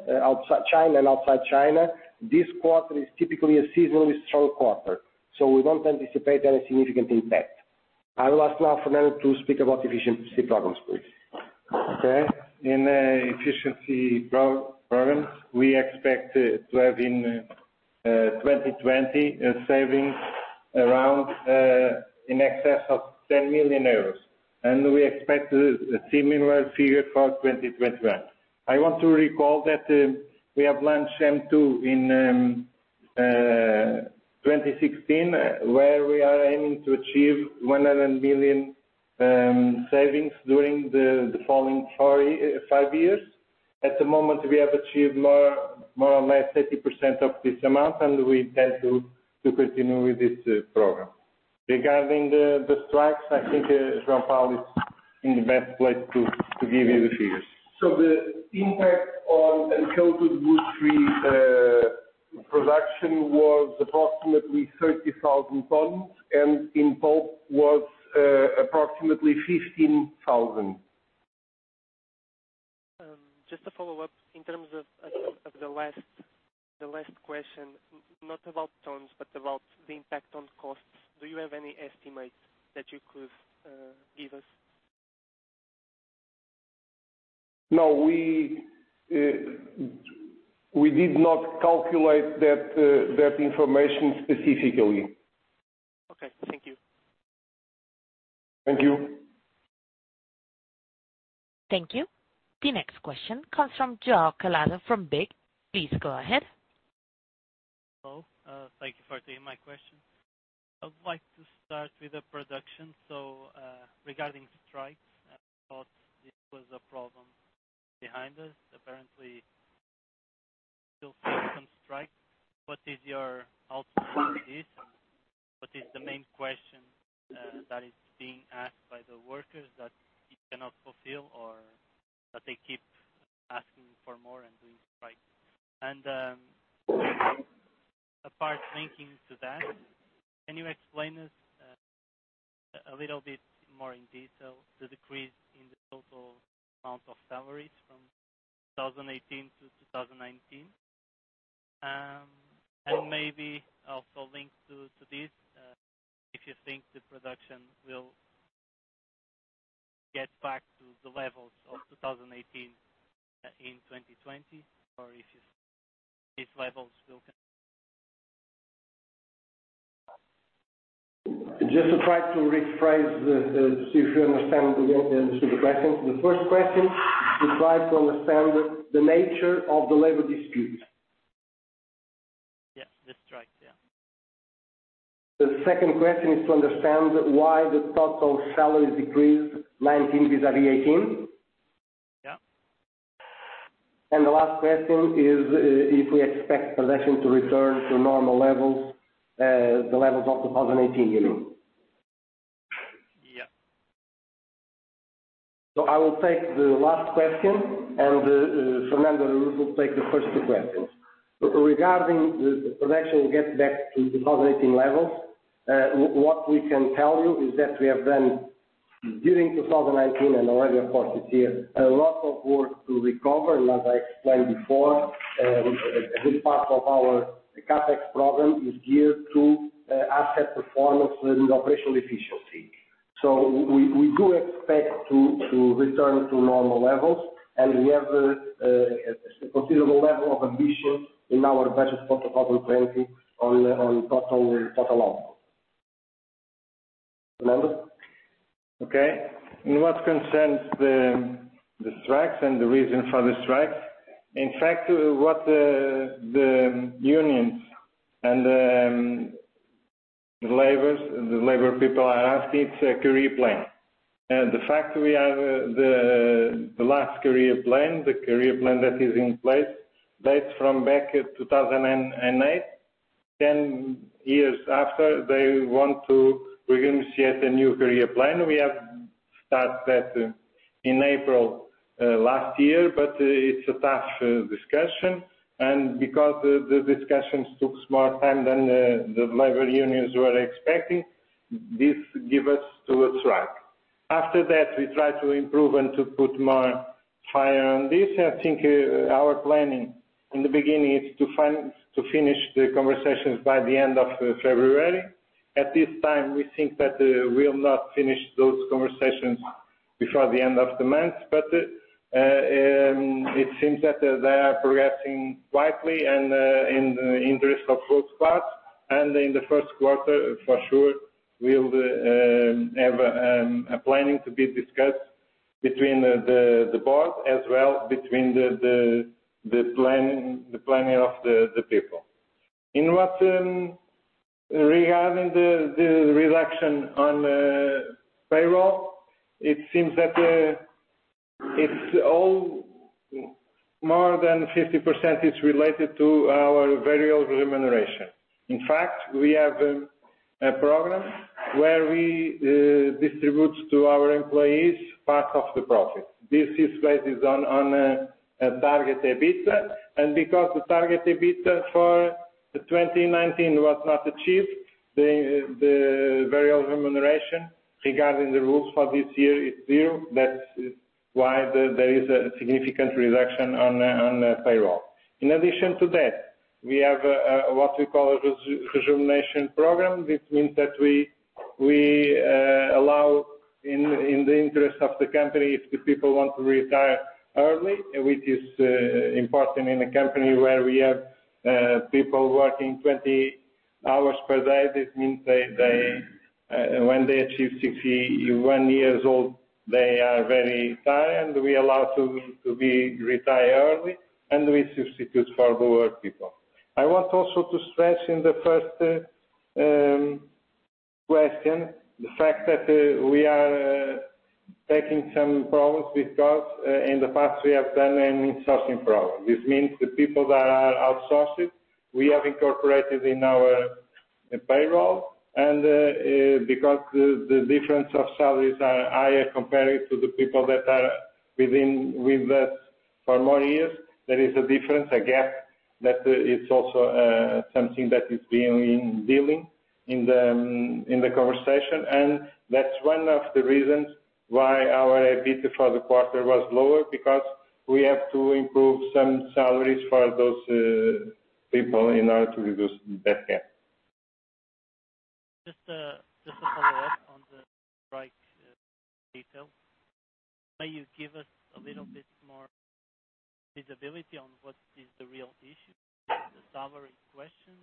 China and outside China, this quarter is typically a seasonally strong quarter, so we don't anticipate any significant impact. I will ask now Fernando to speak about efficiency programs, please. Okay. In efficiency programs, we expect to have in 2020 savings around in excess of 10 million euros, and we expect a similar figure for 2021. I want to recall that we have launched M2 in 2016, where we are aiming to achieve 100 million savings during the following five years. At the moment, we have achieved more or less 80% of this amount, and we intend to continue with this program. Regarding the strikes, I think João Paulo is in the best place to give you the figures. The impact on uncoated wood-free production was approximately 30,000 tons and in pulp was approximately 15,000. Just a follow-up, in terms of the last question, not about tons but about the impact on costs. Do you have any estimates that you could give us? No. We did not calculate that information specifically. Okay. Thank you. Thank you. Thank you. The next question comes from João Galvão from BIG. Please go ahead. Hello. Thank you for taking my question. I would like to start with the production. Regarding strikes, I thought this was a problem behind us. Apparently, still seeing some strikes. What is your outlook on this? What is the main question that is being asked by the workers that you cannot fulfill, or that they keep asking for more and doing strikes? Apart linking to that, can you explain us a little bit more in detail the decrease in the total amount of salaries from 2018-2019? Maybe also linked to this, if you think the production will get back to the levels of 2018 in 2020, or if these levels will. Just to try to rephrase to see if we understand the question. The first question is try to understand the nature of the labor dispute. Yes, the strikes. Yeah. The second question is to understand why the total salaries decreased 2019 vis-à-vis 2018. Yeah. The last question is if we expect production to return to normal levels, the levels of 2018, you mean? Yeah. I will take the last question, and Fernando will take the first two questions. Regarding the production get back to 2018 levels, what we can tell you is that we have done during 2019 and already, of course, this year, a lot of work to recover. As I explained before, a good part of our CapEx program is geared to asset performance and operational efficiency. We do expect to return to normal levels, and we have a considerable level of ambition in our budgets for 2020 on total output. Fernando? Okay. In what concerns the strikes and the reason for the strikes, in fact, what the unions and the labor people are asking for a career plan. The fact we have the last career plan, the career plan that is in place dates from back 2008. 10 years after, they want to initiate a new career plan. We have started that in April last year. It's a tough discussion. Because the discussions took more time than the labor unions were expecting, this give us to a strike. After that, we try to improve and to put more fire on this. I think our planning, in the beginning, is to finish the conversations by the end of February. At this time, we think that we'll not finish those conversations before the end of the month. It seems that they are progressing quietly and in the interest of both parts, and in the first quarter for sure, we'll have a planning to be discussed between the board as well between the planning of the people. Regarding the reduction on payroll, it seems that more than 50% is related to our variable remuneration. In fact, we have a program where we distribute to our employees part of the profit. This is based on a target EBITDA, and because the target EBITDA for 2019 was not achieved, the variable remuneration regarding the rules for this year is zero. That's why there is a significant reduction on payroll. In addition to that, we have what we call a rejuvenation program, which means that we allow, in the interest of The Navigator Company, if the people want to retire early, which is important in a company where we have people working 20 hours per day. This means when they achieve 61 years old, they are very tired. We allow to be retired early, and we substitute for newer people. I want also to stress in the first question the fact that we are taking some problems because in the past we have done an insourcing problem. This means the people that are outsourced, we have incorporated in our payroll. Because the difference of salaries are higher compared to the people that are with us for more years, there is a difference, a gap that is also something that is being dealing in the conversation. That's one of the reasons why our EBITDA for the quarter was lower because we have to improve some salaries for those people in order to reduce that gap. Just to follow up on the strike detail. May you give us a little bit more visibility on what is the real issue? Is it the salary question?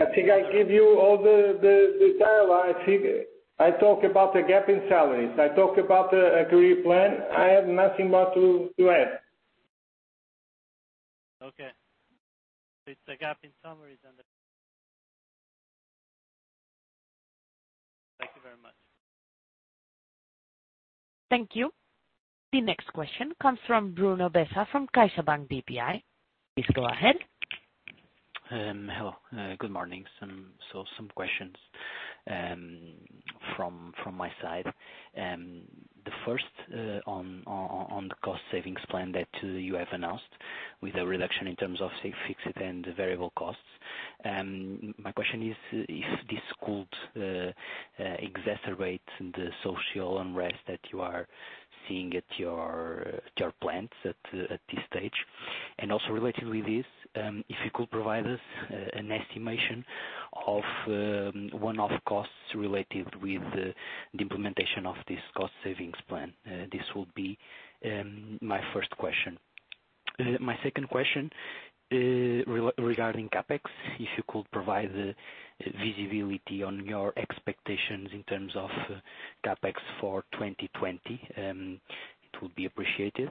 I think I give you all the detail. I think I talk about the gap in salaries. I talk about the career plan. I have nothing more to add. Okay. It's the gap in salaries. Thank you very much. Thank you. The next question comes from Bruno Bessa, from CaixaBank BPI. Please go ahead. Hello. Good morning. Some questions from my side. The first on the cost savings plan that you have announced with a reduction in terms of fixed and variable costs. My question is if this could exacerbate the social unrest that you are seeing at your plants at this stage. Also related with this, if you could provide us an estimation of one-off costs related with the implementation of this cost savings plan. This will be my first question. My second question regarding CapEx. If you could provide the visibility on your expectations in terms of CapEx for 2020, it would be appreciated.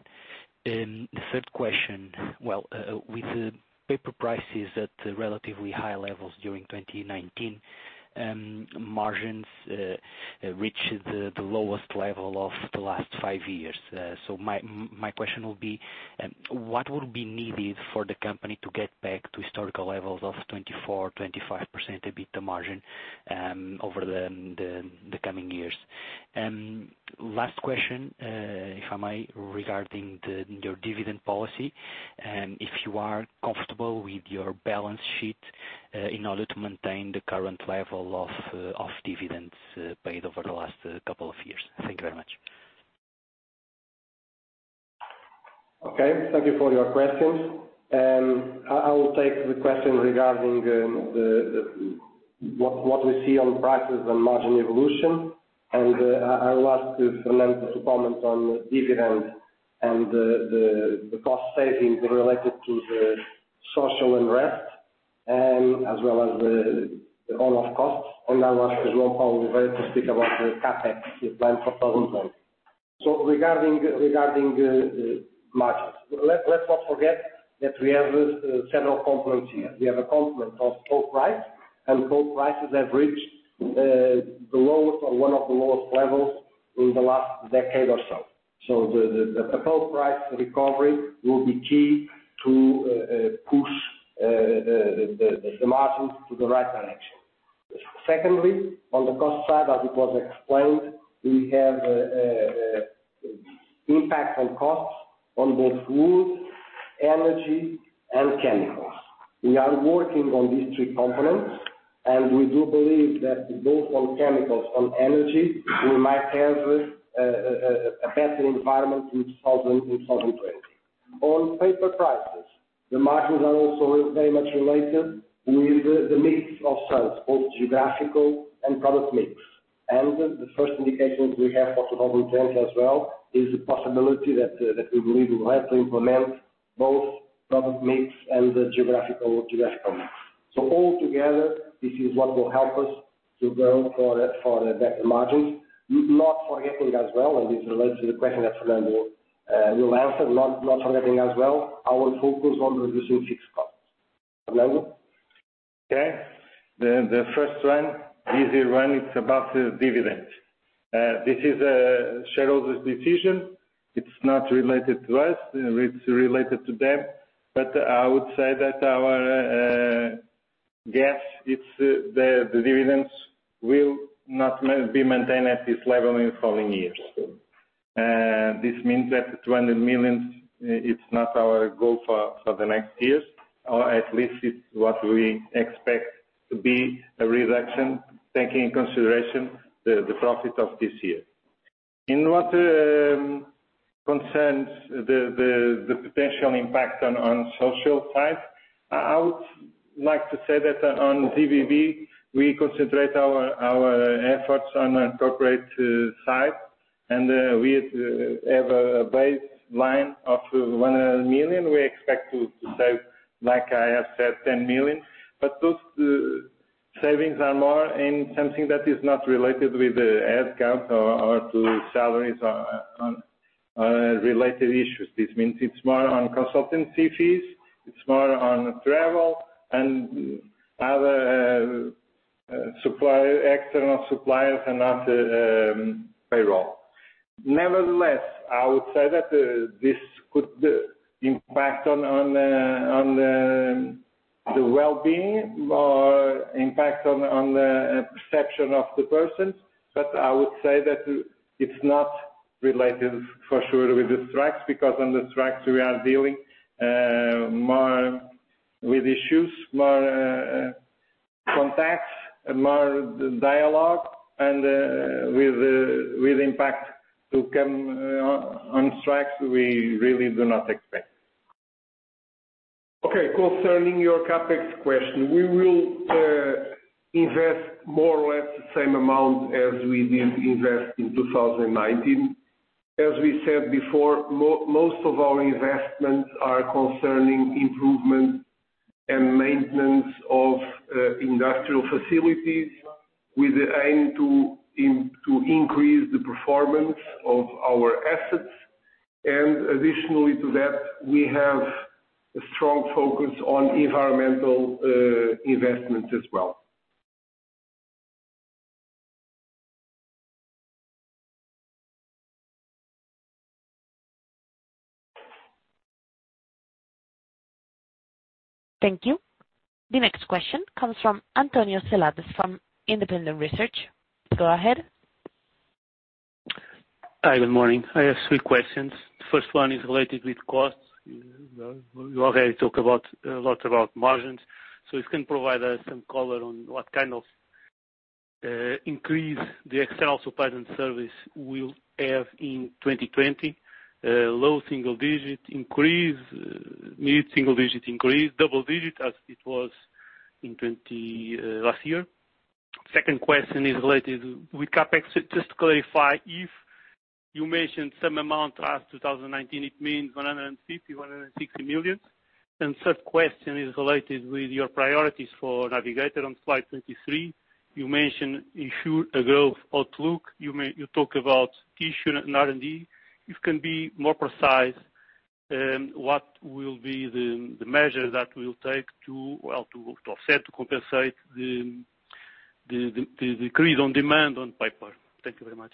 The third question. With paper prices at relatively high levels during 2019, margins reached the lowest level of the last five years. My question would be, what would be needed for the company to get back to historical levels of 24%, 25% EBITDA margin over the coming years? Last question, if I may, regarding your dividend policy. If you are comfortable with your balance sheet in order to maintain the current level of dividends paid over the last couple of years. Thank you very much. Okay. Thank you for your questions. I will take the question regarding what we see on prices and margin evolution. I will ask Fernando to comment on dividend and the cost savings related to the social unrest. I want João Paulo to speak about the CapEx plans for 2020. Regarding margins, let's not forget that we have several components here. We have a component of pulp price. Pulp prices have reached the lowest or one of the lowest levels in the last decade or so. The pulp price recovery will be key to push the margins to the right direction. Secondly, on the cost side, as it was explained, we have impact on costs on both wood, energy, and chemicals. We are working on these three components. We do believe that both on chemicals, on energy, we might have a better environment in 2020. On paper prices, the margins are also very much related with the mix of sales, both geographical and product mix. The first indications we have for 2020 as well is the possibility that we believe we will have to implement both product mix and the geographical mix. All together, this is what will help us to go for a better margin. Not forgetting as well, and this relates to the question that Fernando will answer, not forgetting as well our focus on reducing fixed costs. Fernando? Okay. The first one, easy one, it's about the dividend. This is shareholders' decision. It's not related to us. It's related to them. I would say that our guess, the dividends will not be maintained at this level in following years. This means that 200 million, it's not our goal for the next years, or at least it's what we expect to be a reduction, taking in consideration the profit of this year. In what concerns the potential impact on social side, I would like to say that on ZBB, we concentrate our efforts on a corporate side, and we have a baseline of 100 million. We expect to save, like I have said, 10 million. Those savings are more in something that is not related with the head count or to salaries on related issues. This means it's more on consultancy fees, it's more on travel, and other external suppliers and not payroll. Nevertheless, I would say that this could impact on the well-being or impact on the perception of the person. I would say that it's not related for sure with the strikes, because on the strikes, we are dealing more with issues, more contacts, more dialogue, and with impact to come on strikes, we really do not expect. Concerning your CapEx question, we will invest more or less the same amount as we did invest in 2019. As we said before, most of our investments are concerning improvement and maintenance of industrial facilities with the aim to increase the performance of our assets. Additionally to that, we have a strong focus on environmental investments as well. Thank you. The next question comes from António Seladas from Independent Research. Go ahead. Hi, good morning. I have three questions. The first one is related with costs. You already talk a lot about margins. If you can provide us some color on what kind of increase the external supplier and service will have in 2020, low-single-digit increase, mid-single-digit increase, double digit as it was last year. Second question is related with CapEx. Just to clarify, if you mentioned same amount as 2019, it means 150 million-160 million. Third question is related with your priorities for Navigator on Slide 23. You mentioned a growth outlook. You talk about tissue and R&D. If you can be more precise, what will be the measures that will take to offset, to compensate the decrease on demand on paper. Thank you very much.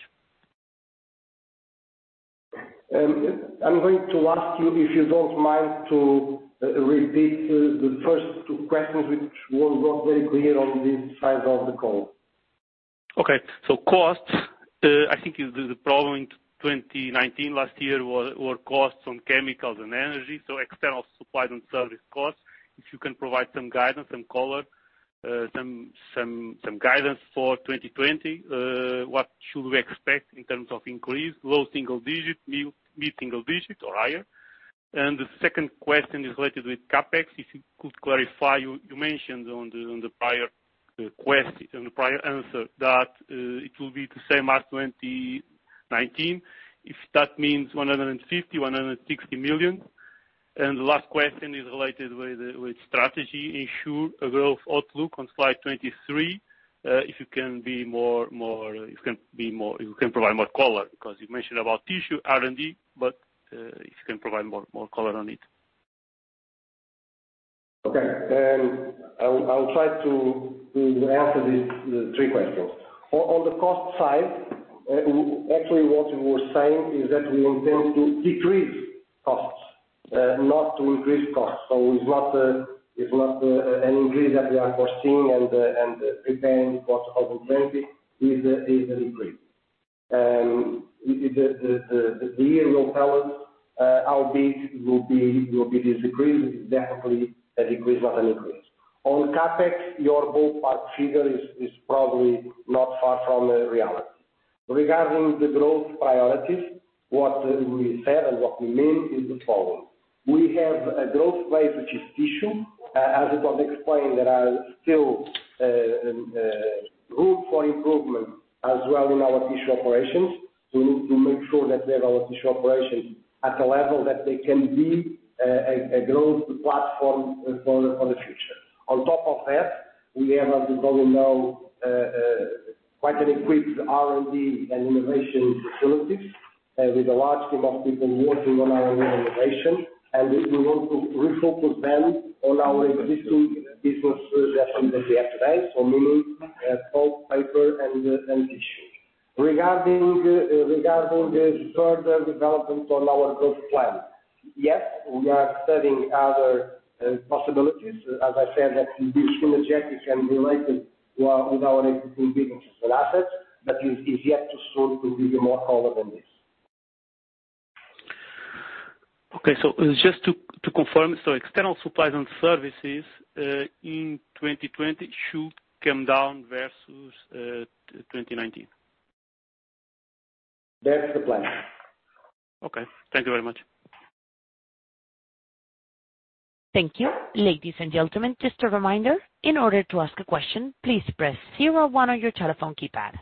I'm going to ask you, if you don't mind, to repeat the first two questions, which were not very clear on this side of the call. Costs, I think the problem in 2019 last year were costs on chemicals and energy, external supply and service costs. If you can provide some guidance, some color, some guidance for 2020, what should we expect in terms of increase, low single-digit, mid single-digit or higher? The second question is related with CapEx. If you could clarify, you mentioned on the prior answer that it will be the same as 2019. If that means 150 million-160 million? The last question is related with strategy issue, growth outlook on Slide 23. If you can provide more color, because you mentioned about tissue R&D, but if you can provide more color on it. Okay. I will try to answer these three questions. On the cost side, actually what we were saying is that we intend to decrease costs, not to increase costs. It's not an increase that we are foreseeing and preparing for 2020, it is a decrease. The year will tell us how big will be this decrease. It is definitely a decrease, not an increase. On CapEx, your ballpark figure is probably not far from the reality. Regarding the growth priorities, what we said and what we mean is the following. We have a growth place which is tissue. As it was explained, there are still room for improvement as well in our tissue operations. We need to make sure that we have our tissue operations at a level that they can be a growth platform for the future. On top of that, we have, as you probably know, quite an equipped R&D and innovation facilities, with a large team of people working on R&D innovation. We want to refocus them on our existing business that we have today, so meaning pulp, paper, and tissue. Regarding this further development on our growth plan. Yes, we are studying other possibilities. As I said, that will be synergetic and related with our existing businesses and assets, but it's yet too soon to give you more color than this. Okay. Just to confirm, so external supplies and services, in 2020, should come down versus 2019? That's the plan. Okay. Thank you very much. Thank you. Ladies and gentlemen, just a reminder, in order to ask a question, please press zero or one on your telephone keypad.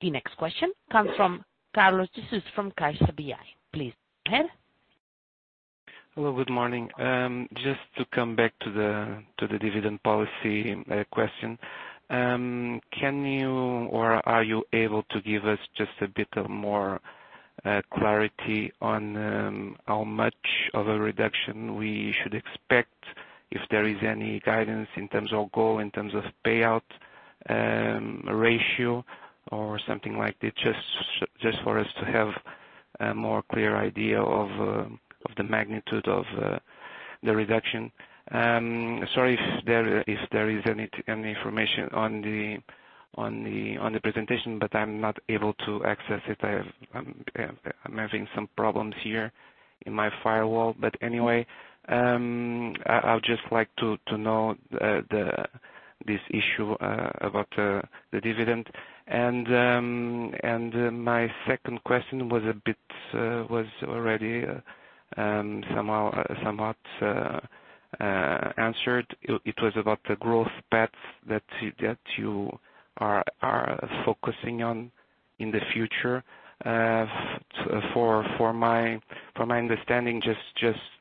The next question comes from Carlos de Sousa from CaixaBI. Please go ahead. Hello, good morning. Just to come back to the dividend policy question. Can you or are you able to give us just a bit of more clarity on how much of a reduction we should expect? If there is any guidance in terms of goal, in terms of payout ratio or something like this, just for us to have a more clear idea of the magnitude of the reduction. Sorry if there is any information on the presentation, but I'm not able to access it. I'm having some problems here in my firewall. Anyway, I would just like to know this issue about the dividend. My second question was already somewhat answered. It was about the growth paths that you are focusing on in the future. From my understanding,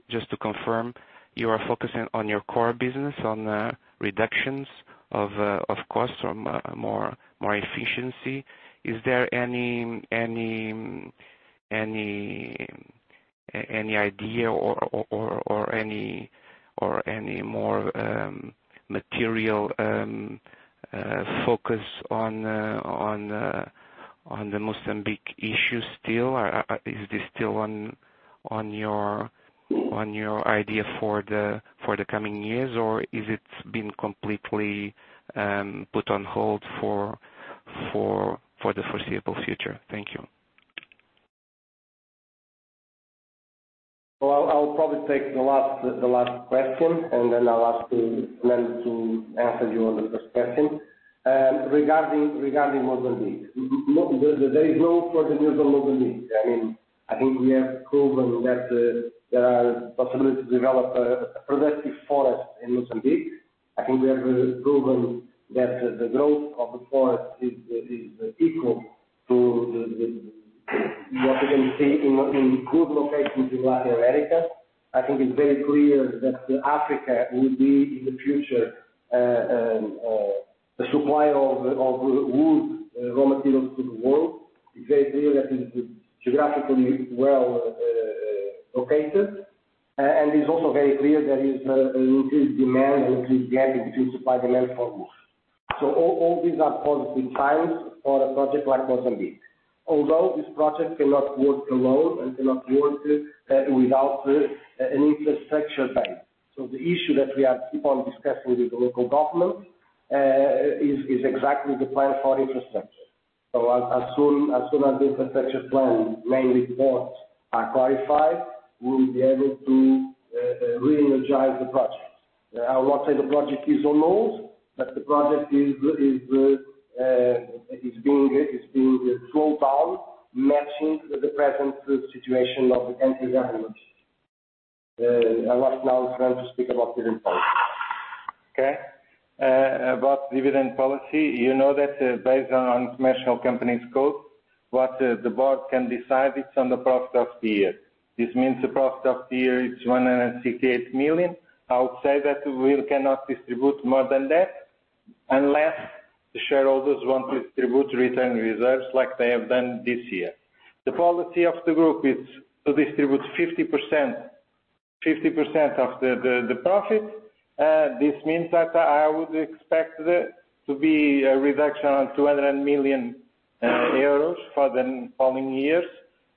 just to confirm, you are focusing on your core business, on the reductions of cost from more efficiency. Is there any idea or any more material focus on the Mozambique issue still? Is this still on your idea for the coming years, or is it been completely put on hold for the foreseeable future? Thank you. Well, I'll probably take the last question, and then I'll ask Nuno to answer you on the first question. Regarding Mozambique. There is no further news on Mozambique. I think we have proven that there are possibilities to develop a productive forest in Mozambique. I think we have proven that the growth of the forest is equal to what we can see in good locations in Latin America. I think it's very clear that Africa will be, in the future, a supplier of wood, raw materials to the world. It's very clear that it's geographically well located, and it's also very clear there is an increased demand and increased gap between supply and demand for wood. All these are positive signs for a project like Mozambique. Although this project cannot work alone and cannot work without an infrastructure bank. The issue that we are keep on discussing with the local government is exactly the plan for infrastructure. As soon as the infrastructure plan, mainly ports, are clarified, we will be able to reenergize the project. I won't say the project is on hold, but the project is being slowed down matching the present situation of the country's development. Right now it's Nuno to speak about the report. Okay. About dividend policy, you know that based on international companies code, what the board can decide, it's on the profit of the year. This means the profit of the year is 168 million. I would say that we cannot distribute more than that unless the shareholders want to distribute retained reserves like they have done this year. The policy of the group is to distribute 50% of the profit. This means that I would expect there to be a reduction on 200 million euros for the following years,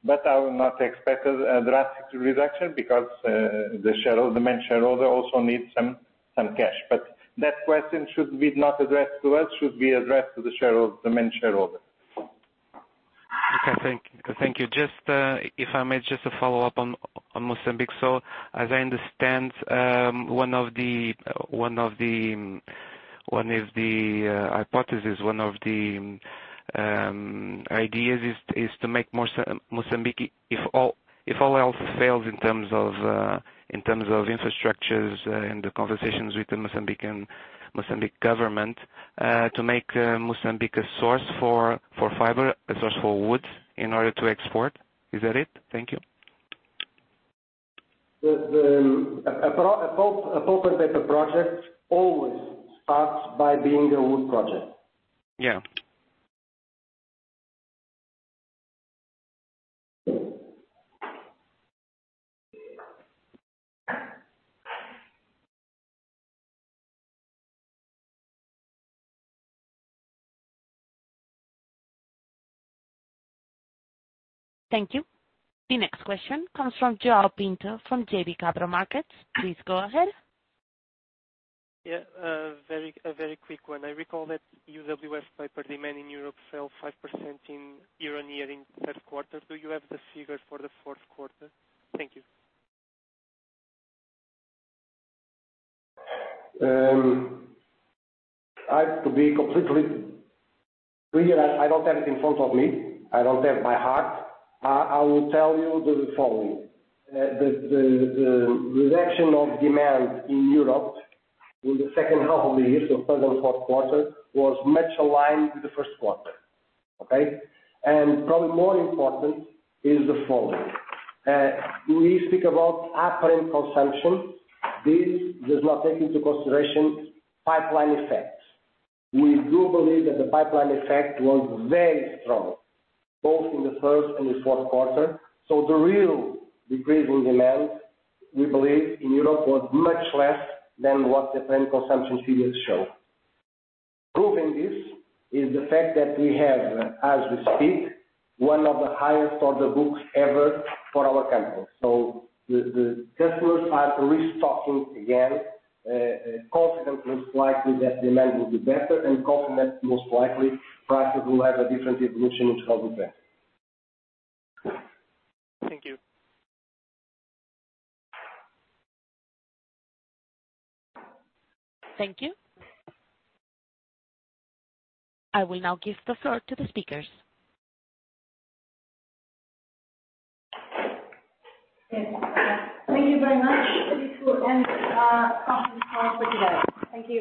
but I will not expect a drastic reduction because the main shareholder also needs some cash. That question should be not addressed to us, should be addressed to the main shareholder. Okay, thank you. Just, if I may, just a follow-up on Mozambique. As I understand, one of the hypothesis, one of the ideas is to make Mozambique, if all else fails in terms of infrastructures and the conversations with the Mozambique government, to make Mozambique a source for fiber, a source for wood in order to export. Is that it? Thank you. A pulp and paper project always starts by being a wood project. Yeah. Thank you. The next question comes from João Pinto from JB Capital Markets. Please go ahead. Yeah, a very quick one. I recall that UWF paper demand in Europe fell 5% in year-on-year in third quarter. Do you have the figures for the fourth quarter? Thank you. To be completely clear, I don't have it in front of me. I don't have by heart. I will tell you the following. The reduction of demand in Europe in the second half of the year, so third and fourth quarter, was much aligned with the first quarter. Okay. Probably more important is the following. We speak about apparent consumption. This does not take into consideration pipeline effects. We do believe that the pipeline effect was very strong, both in the first and the fourth quarter. The real decrease in demand, we believe in Europe was much less than what the trend consumption figures show. Proving this is the fact that we have, as we speak, one of the highest order books ever for our customers. The customers are restocking again. Consequently, it's likely that demand will be better, and consequently, most likely, prices will have a different evolution in 2020. Thank you. Thank you. I will now give the floor to the speakers. Thank you very much. This will end our conference call for today. Thank you.